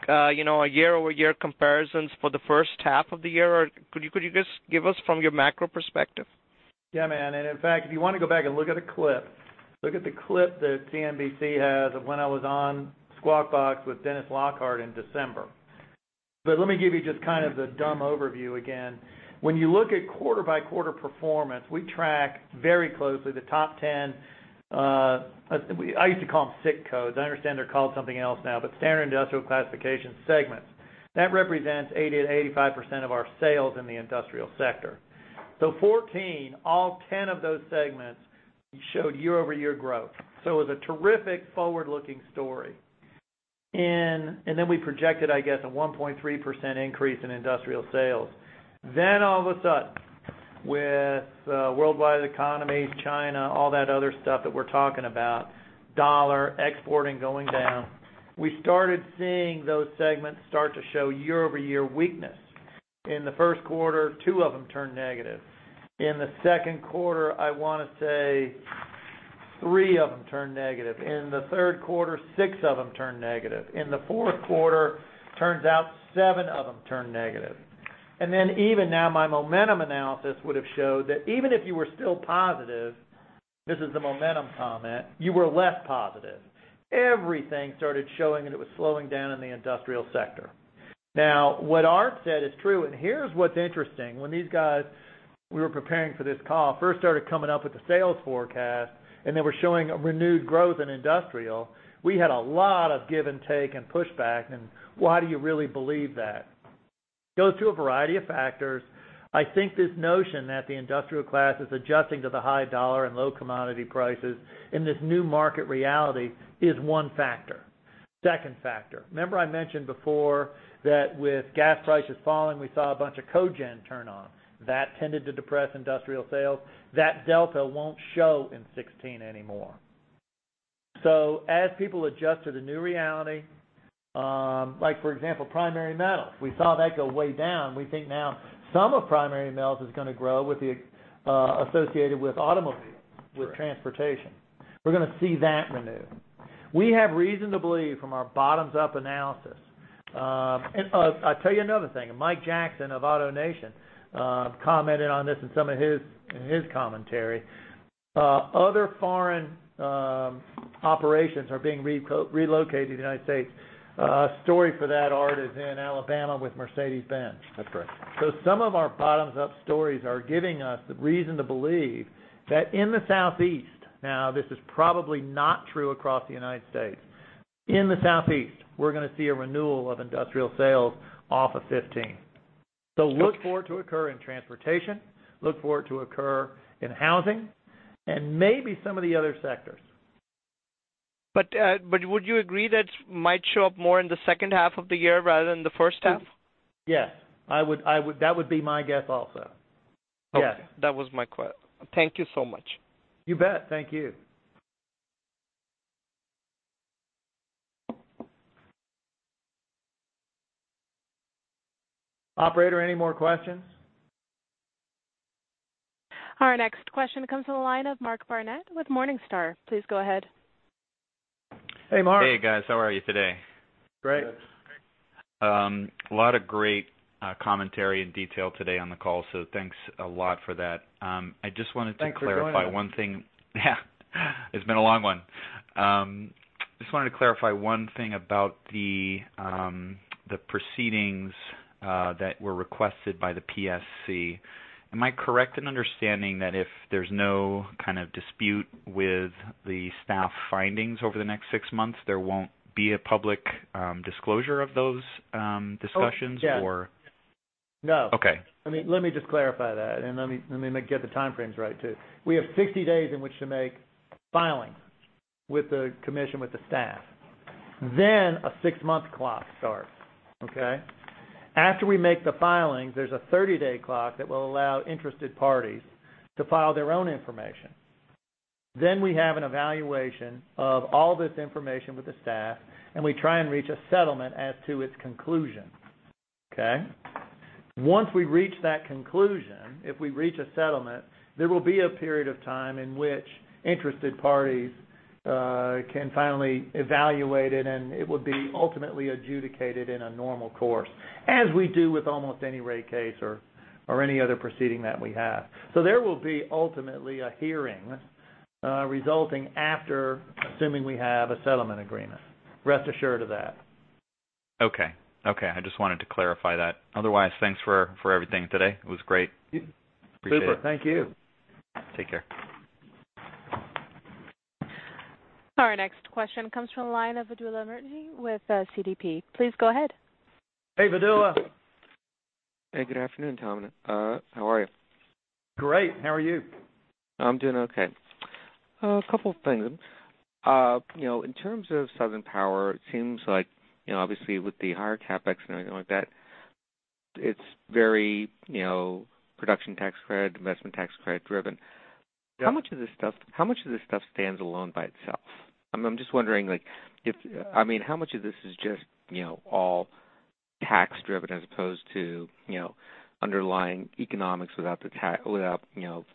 a year-over-year comparisons for the first half of the year? Could you just give us from your macro perspective? Yeah, man. In fact, if you want to go back and look at a clip, look at the clip that CNBC has of when I was on Squawk Box with Dennis Lockhart in December. Let me give you just kind of the dumb overview again. When you look at quarter-by-quarter performance, we track very closely the top 10. I used to call them SIC codes. I understand they're called something else now, but Standard Industrial Classification segments. That represents 80%-85% of our sales in the industrial sector. 2014, all 10 of those segments showed year-over-year growth. It was a terrific forward-looking story. We projected, I guess, a 1.3% increase in industrial sales. All of a sudden, with worldwide economies, China, all that other stuff that we're talking about, dollar exporting going down, we started seeing those segments start to show year-over-year weakness. In the first quarter, two of them turned negative. In the second quarter, I want to say three of them turned negative. In the third quarter, six of them turned negative. In the fourth quarter, turns out seven of them turned negative. Even now, my momentum analysis would have showed that even if you were still positive, this is the momentum comment, you were less positive. Everything started showing that it was slowing down in the industrial sector. What Art said is true, and here's what's interesting. When these guys, we were preparing for this call, first started coming up with the sales forecast, and they were showing a renewed growth in industrial, we had a lot of give and take and pushback and why do you really believe that? Goes to a variety of factors. I think this notion that the industrial class is adjusting to the high dollar and low commodity prices in this new market reality is one factor. Second factor. Remember I mentioned before that with gas prices falling, we saw a bunch of cogen turn on. That tended to depress industrial sales. That delta won't show in '16 anymore. So as people adjust to the new reality, like for example, primary metal, we saw that go way down. We think now some of primary metals is going to grow associated with automobile- Sure with transportation. We're going to see that renew. We have reason to believe from our bottoms-up analysis. And I'll tell you another thing, Mike Jackson of AutoNation, commented on this in some of his commentary. Other foreign operations are being relocated to the United States. A story for that, Art, is in Alabama with Mercedes-Benz-Benz. That's correct. Some of our bottoms-up stories are giving us reason to believe that in the Southeast, now this is probably not true across the U.S. In the Southeast, we're going to see a renewal of industrial sales off of 2015. Look for it to occur in transportation, look for it to occur in housing, and maybe some of the other sectors. Would you agree that might show up more in the second half of the year rather than the first half? Yes. That would be my guess also. Yes. Okay. That was my que-- thank you so much. You bet. Thank you. Operator, any more questions? Our next question comes from the line of Mark Barnett with Morningstar. Please go ahead. Hey, Mark. Hey, guys. How are you today? Great. Good. A lot of great commentary and detail today on the call, so thanks a lot for that. I just wanted to. Thanks for joining us. Clarify one thing. Yeah. It's been a long one. Just wanted to clarify one thing about the proceedings that were requested by the PSC. Am I correct in understanding that if there's no kind of dispute with the staff findings over the next six months, there won't be a public disclosure of those discussions or? Oh, yeah. No. Okay. Let me just clarify that, and let me get the timeframes right too. We have 60 days in which to make filings with the commission, with the staff. A six-month clock starts. Okay? After we make the filings, there's a 30-day clock that will allow interested parties to file their own information. We have an evaluation of all this information with the staff, and we try and reach a settlement as to its conclusion. Okay? Once we reach that conclusion, if we reach a settlement, there will be a period of time in which interested parties can finally evaluate it, and it would be ultimately adjudicated in a normal course, as we do with almost any rate case or any other proceeding that we have. There will be ultimately a hearing resulting after assuming we have a settlement agreement. Rest assured of that. Okay. I just wanted to clarify that. Otherwise, thanks for everything today. It was great. Appreciate it. Super. Thank you. Take care. Our next question comes from the line of Vidula Mirtani with CDP. Please go ahead. Hey, Vidula. Hey. Good afternoon, Tom. How are you? Great. How are you? I'm doing okay. A couple of things. In terms of Southern Power, it seems like, obviously with the higher CapEx and everything like that, it's very Production Tax Credit, Investment Tax Credit-driven. Yeah. How much of this stuff stands alone by itself? I'm just wondering, how much of this is just all tax-driven as opposed to underlying economics without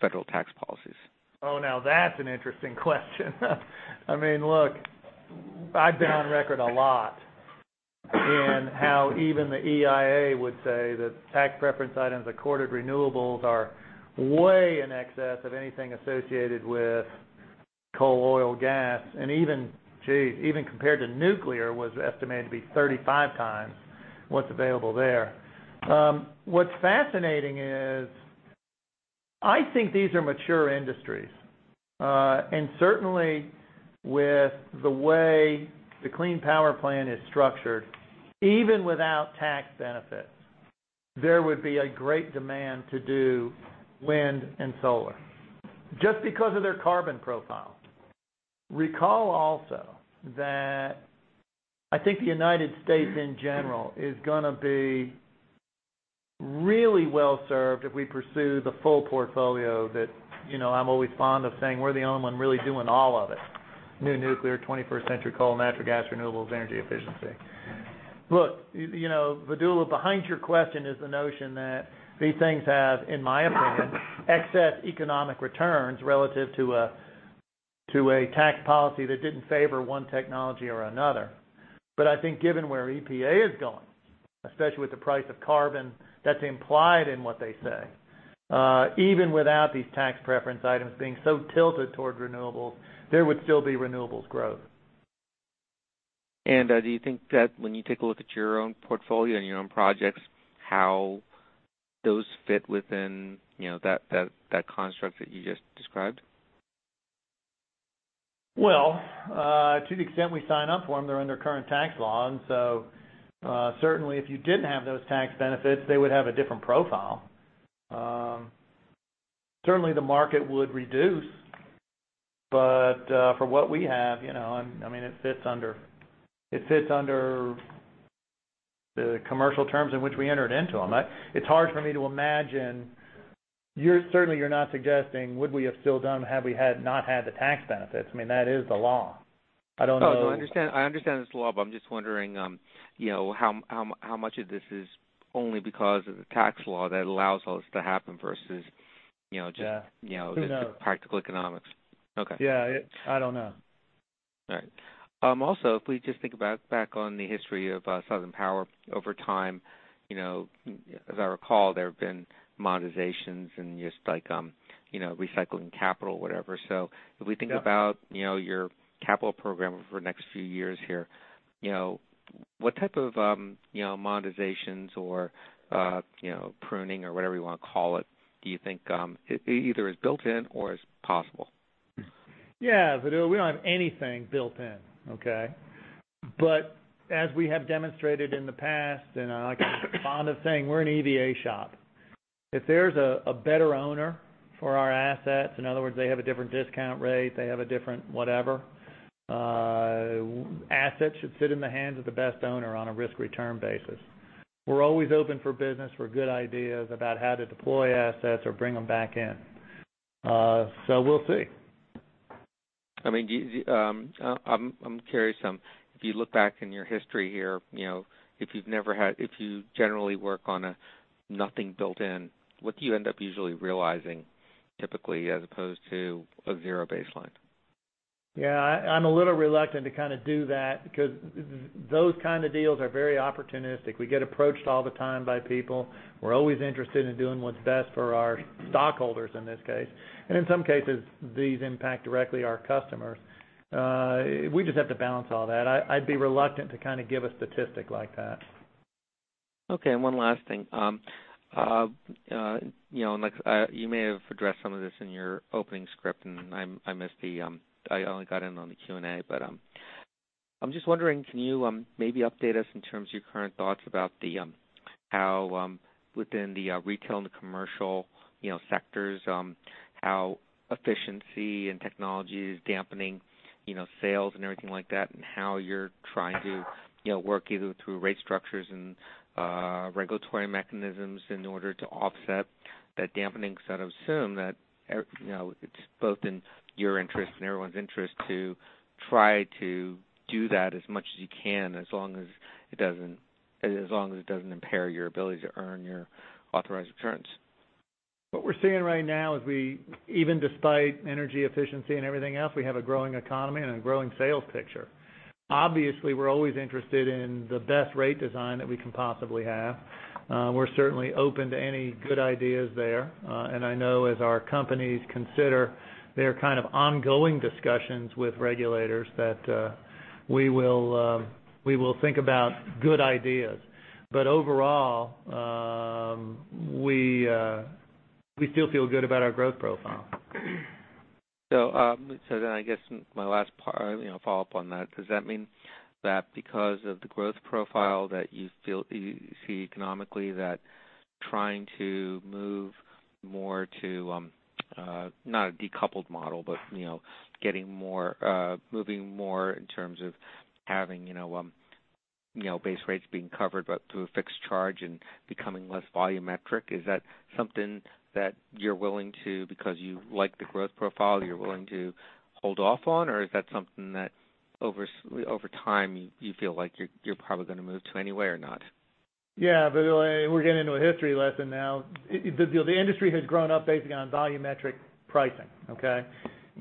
federal tax policies? Now that's an interesting question. Look, I've been on record a lot in how even the EIA would say that tax preference items accorded renewables are way in excess of anything associated with coal, oil, gas, and gee, even compared to nuclear, was estimated to be 35 times what's available there. What's fascinating is I think these are mature industries. Certainly with the way the Clean Power Plan is structured, even without tax benefits, there would be a great demand to do wind and solar just because of their carbon profile. Recall also that I think the U.S. in general is going to be really well-served if we pursue the full portfolio that I'm always fond of saying we're the only one really doing all of it. New nuclear, 21st century coal, natural gas, renewables, energy efficiency. Look, Vidula, behind your question is the notion that these things have, in my opinion, excess economic returns relative to a tax policy that didn't favor one technology or another. I think given where EPA is going, especially with the price of carbon that's implied in what they say, even without these tax preference items being so tilted towards renewables, there would still be renewables growth. Do you think that when you take a look at your own portfolio and your own projects, how those fit within that construct that you just described? Well, to the extent we sign up for them, they're under current tax law. Certainly if you didn't have those tax benefits, they would have a different profile. Certainly the market would reduce. For what we have, it sits under the commercial terms in which we entered into them. It's hard for me to imagine Certainly you're not suggesting would we have still done them had we not had the tax benefits? That is the law. I don't know. No, I understand it's the law, but I'm just wondering how much of this is only because of the tax law that allows those to happen versus just. Yeah. Who knows. the practical economics. Okay. Yeah. I don't know. All right. If we just think back on the history of Southern Power over time, as I recall, there have been monetizations and just recycling capital, whatever. If we think about your capital program over the next few years here, what type of monetizations or pruning or whatever you want to call it, do you think either is built in or is possible? Yeah. Vidula, we don't have anything built in. Okay? As we have demonstrated in the past, and I like fond of saying we're an EDA shop. If there's a better owner for our assets, in other words, they have a different discount rate, they have a different whatever, assets should sit in the hands of the best owner on a risk-return basis. We're always open for business, for good ideas about how to deploy assets or bring them back in. We'll see. I'm curious, if you look back in your history here, if you generally work on a nothing built in, what do you end up usually realizing typically as opposed to a zero baseline? Yeah. I'm a little reluctant to do that because those kind of deals are very opportunistic. We get approached all the time by people. We're always interested in doing what's best for our stockholders, in this case. In some cases, these impact directly our customers. We just have to balance all that. I'd be reluctant to give a statistic like that. Okay. One last thing. You may have addressed some of this in your opening script, and I missed it. I only got in on the Q&A. I'm just wondering, can you maybe update us in terms of your current thoughts about how within the retail and the commercial sectors, how efficiency and technology is dampening sales and everything like that, and how you're trying to work either through rate structures and regulatory mechanisms in order to offset that dampening? I'd assume that it's both in your interest and everyone's interest to try to do that as much as you can, as long as it doesn't impair your ability to earn your authorized returns. What we're seeing right now is even despite energy efficiency and everything else, we have a growing economy and a growing sales picture. Obviously, we're always interested in the best rate design that we can possibly have. We're certainly open to any good ideas there. I know as our companies consider their kind of ongoing discussions with regulators, that we will think about good ideas. Overall, we still feel good about our growth profile. I guess my last follow-up on that, does that mean that because of the growth profile that you see economically, that trying to move more to, not a decoupled model, but moving more in terms of having base rates being covered, but through a fixed charge and becoming less volumetric, is that something that, because you like the growth profile, you're willing to hold off on? Or is that something that over time, you feel like you're probably going to move to anyway or not? We're getting into a history lesson now. The industry has grown up basically on volumetric pricing. Okay?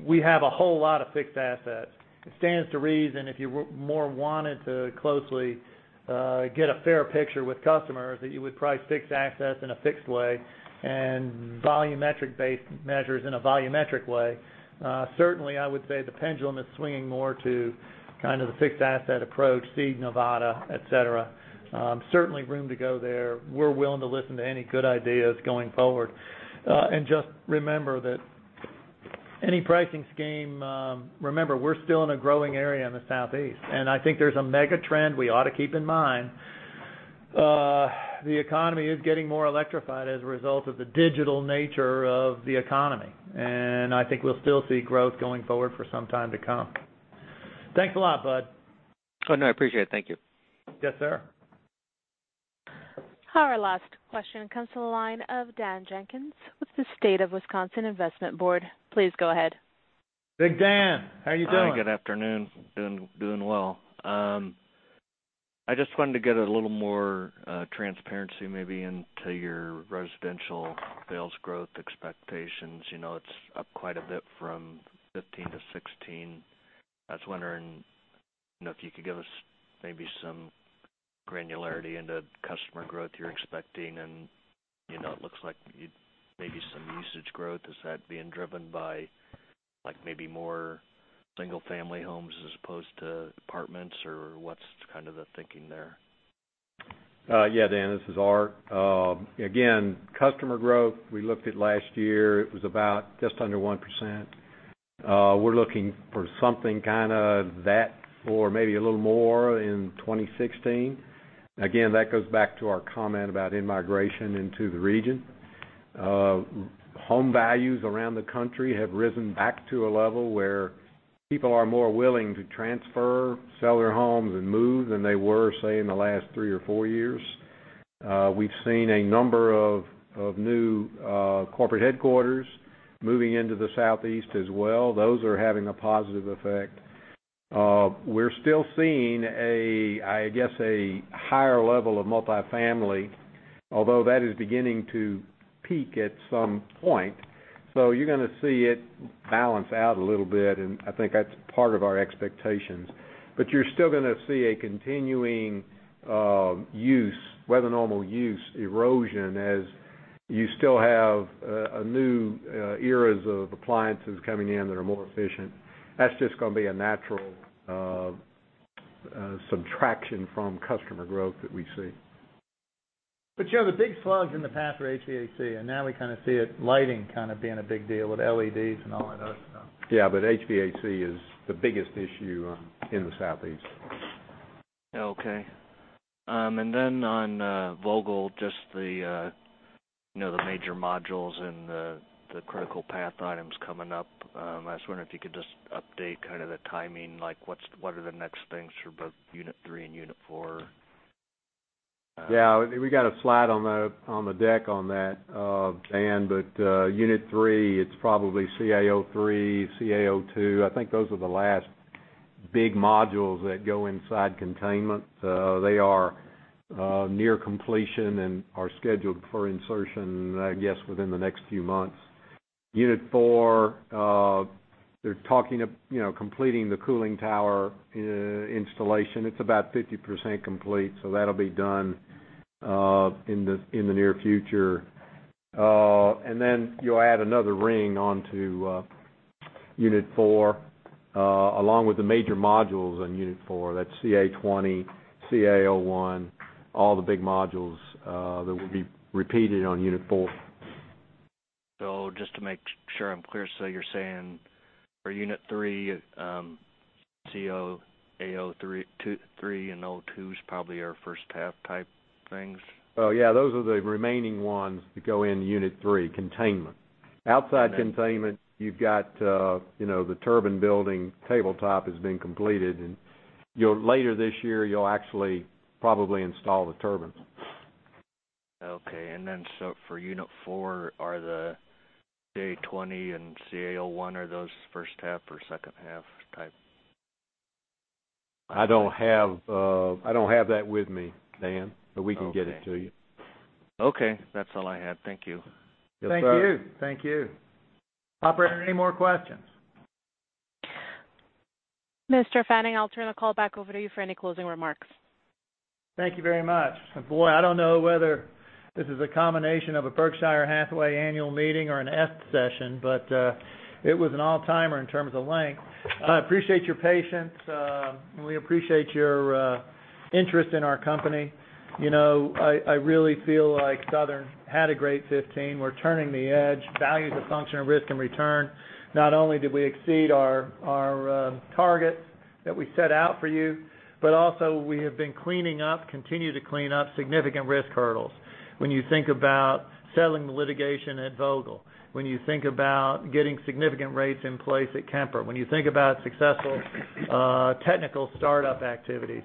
We have a whole lot of fixed assets. It stands to reason if you more wanted to closely get a fair picture with customers, that you would price fixed assets in a fixed way, and volumetric-based measures in a volumetric way. Certainly, I would say the pendulum is swinging more to the fixed asset approach, see Nevada, et cetera. Certainly room to go there. We're willing to listen to any good ideas going forward. Just remember that any pricing scheme, remember, we're still in a growing area in the Southeast. I think there's a mega trend we ought to keep in mind. The economy is getting more electrified as a result of the digital nature of the economy. I think we'll still see growth going forward for some time to come. Thanks a lot, bud. I appreciate it. Thank you. Yes, sir. Our last question comes from the line of Dan Jenkins with the State of Wisconsin Investment Board. Please go ahead. Big Dan, how are you doing? Hi, good afternoon. Doing well. I just wanted to get a little more transparency maybe into your residential sales growth expectations. It's up quite a bit from 2015 to 2016. I was wondering if you could give us maybe some granularity into customer growth you're expecting, and it looks like maybe some usage growth. Is that being driven by maybe more single-family homes as opposed to apartments, or what's kind of the thinking there? Yeah, Dan, this is Art. Again, customer growth, we looked at last year, it was about just under 1%. We're looking for something kind of that or maybe a little more in 2016. Again, that goes back to our comment about in-migration into the region. Home values around the country have risen back to a level where people are more willing to transfer, sell their homes, and move than they were, say, in the last three or four years. We've seen a number of new corporate headquarters moving into the Southeast as well. Those are having a positive effect. We're still seeing, I guess, a higher level of multifamily, although that is beginning to peak at some point. You're going to see it balance out a little bit, and I think that's part of our expectations. You're still going to see a continuing use, weather normal use erosion, as you still have a new eras of appliances coming in that are more efficient. That's just going to be a natural subtraction from customer growth that we see. The big slugs in the past were HVAC, and now we kind of see it lighting kind of being a big deal with LEDs and all of those. Yeah, HVAC is the biggest issue in the Southeast. Okay. On Vogtle, just the major modules and the critical path items coming up. I was wondering if you could just update kind of the timing, like what are the next things for both unit 3 and unit 4? Yeah, we got a slide on the deck on that, Dan. Unit 3, it's probably CA03, CA02. I think those are the last big modules that go inside containment. They are near completion and are scheduled for insertion, I guess, within the next few months. Unit 4, they're talking of completing the cooling tower installation. It's about 50% complete, that'll be done in the near future. You'll add another ring onto unit 4, along with the major modules on unit 4. That's CA20, CA01, all the big modules that will be repeated on unit 4. Just to make sure I'm clear, you're saying for unit 3, CA03 and CA02 is probably our first half type things? Oh, yeah. Those are the remaining ones that go in unit 3 containment. Okay. Outside containment, you've got the turbine building tabletop has been completed. Later this year, you'll actually probably install the turbines. Okay. For unit 4 are the CA20 and CA01, are those first half or second half type? I don't have that with me, Dan. Okay. We can get it to you. Okay. That's all I had. Thank you. Yes, sir. Thank you. Operator, any more questions? Mr. Fanning, I'll turn the call back over to you for any closing remarks. Thank you very much. Boy, I don't know whether this is a combination of a Berkshire Hathaway annual meeting or an EEI session, but it was an all-timer in terms of length. I appreciate your patience. We appreciate your interest in our company. I really feel like Southern had a great 2015. We're turning the edge. Values are functioning, risk and return. Not only did we exceed our targets that we set out for you, but also we have been cleaning up, continue to clean up significant risk hurdles. When you think about settling the litigation at Vogtle, when you think about getting significant rates in place at Kemper, when you think about successful technical startup activities,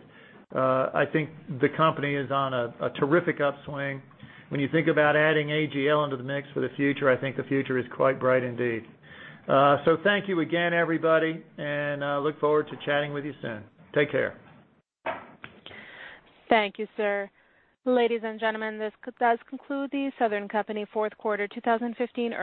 I think the company is on a terrific upswing. When you think about adding AGL into the mix for the future, I think the future is quite bright indeed. Thank you again, everybody, and I look forward to chatting with you soon. Take care. Thank you, sir. Ladies and gentlemen, this does conclude The Southern Company fourth quarter 2015 earnings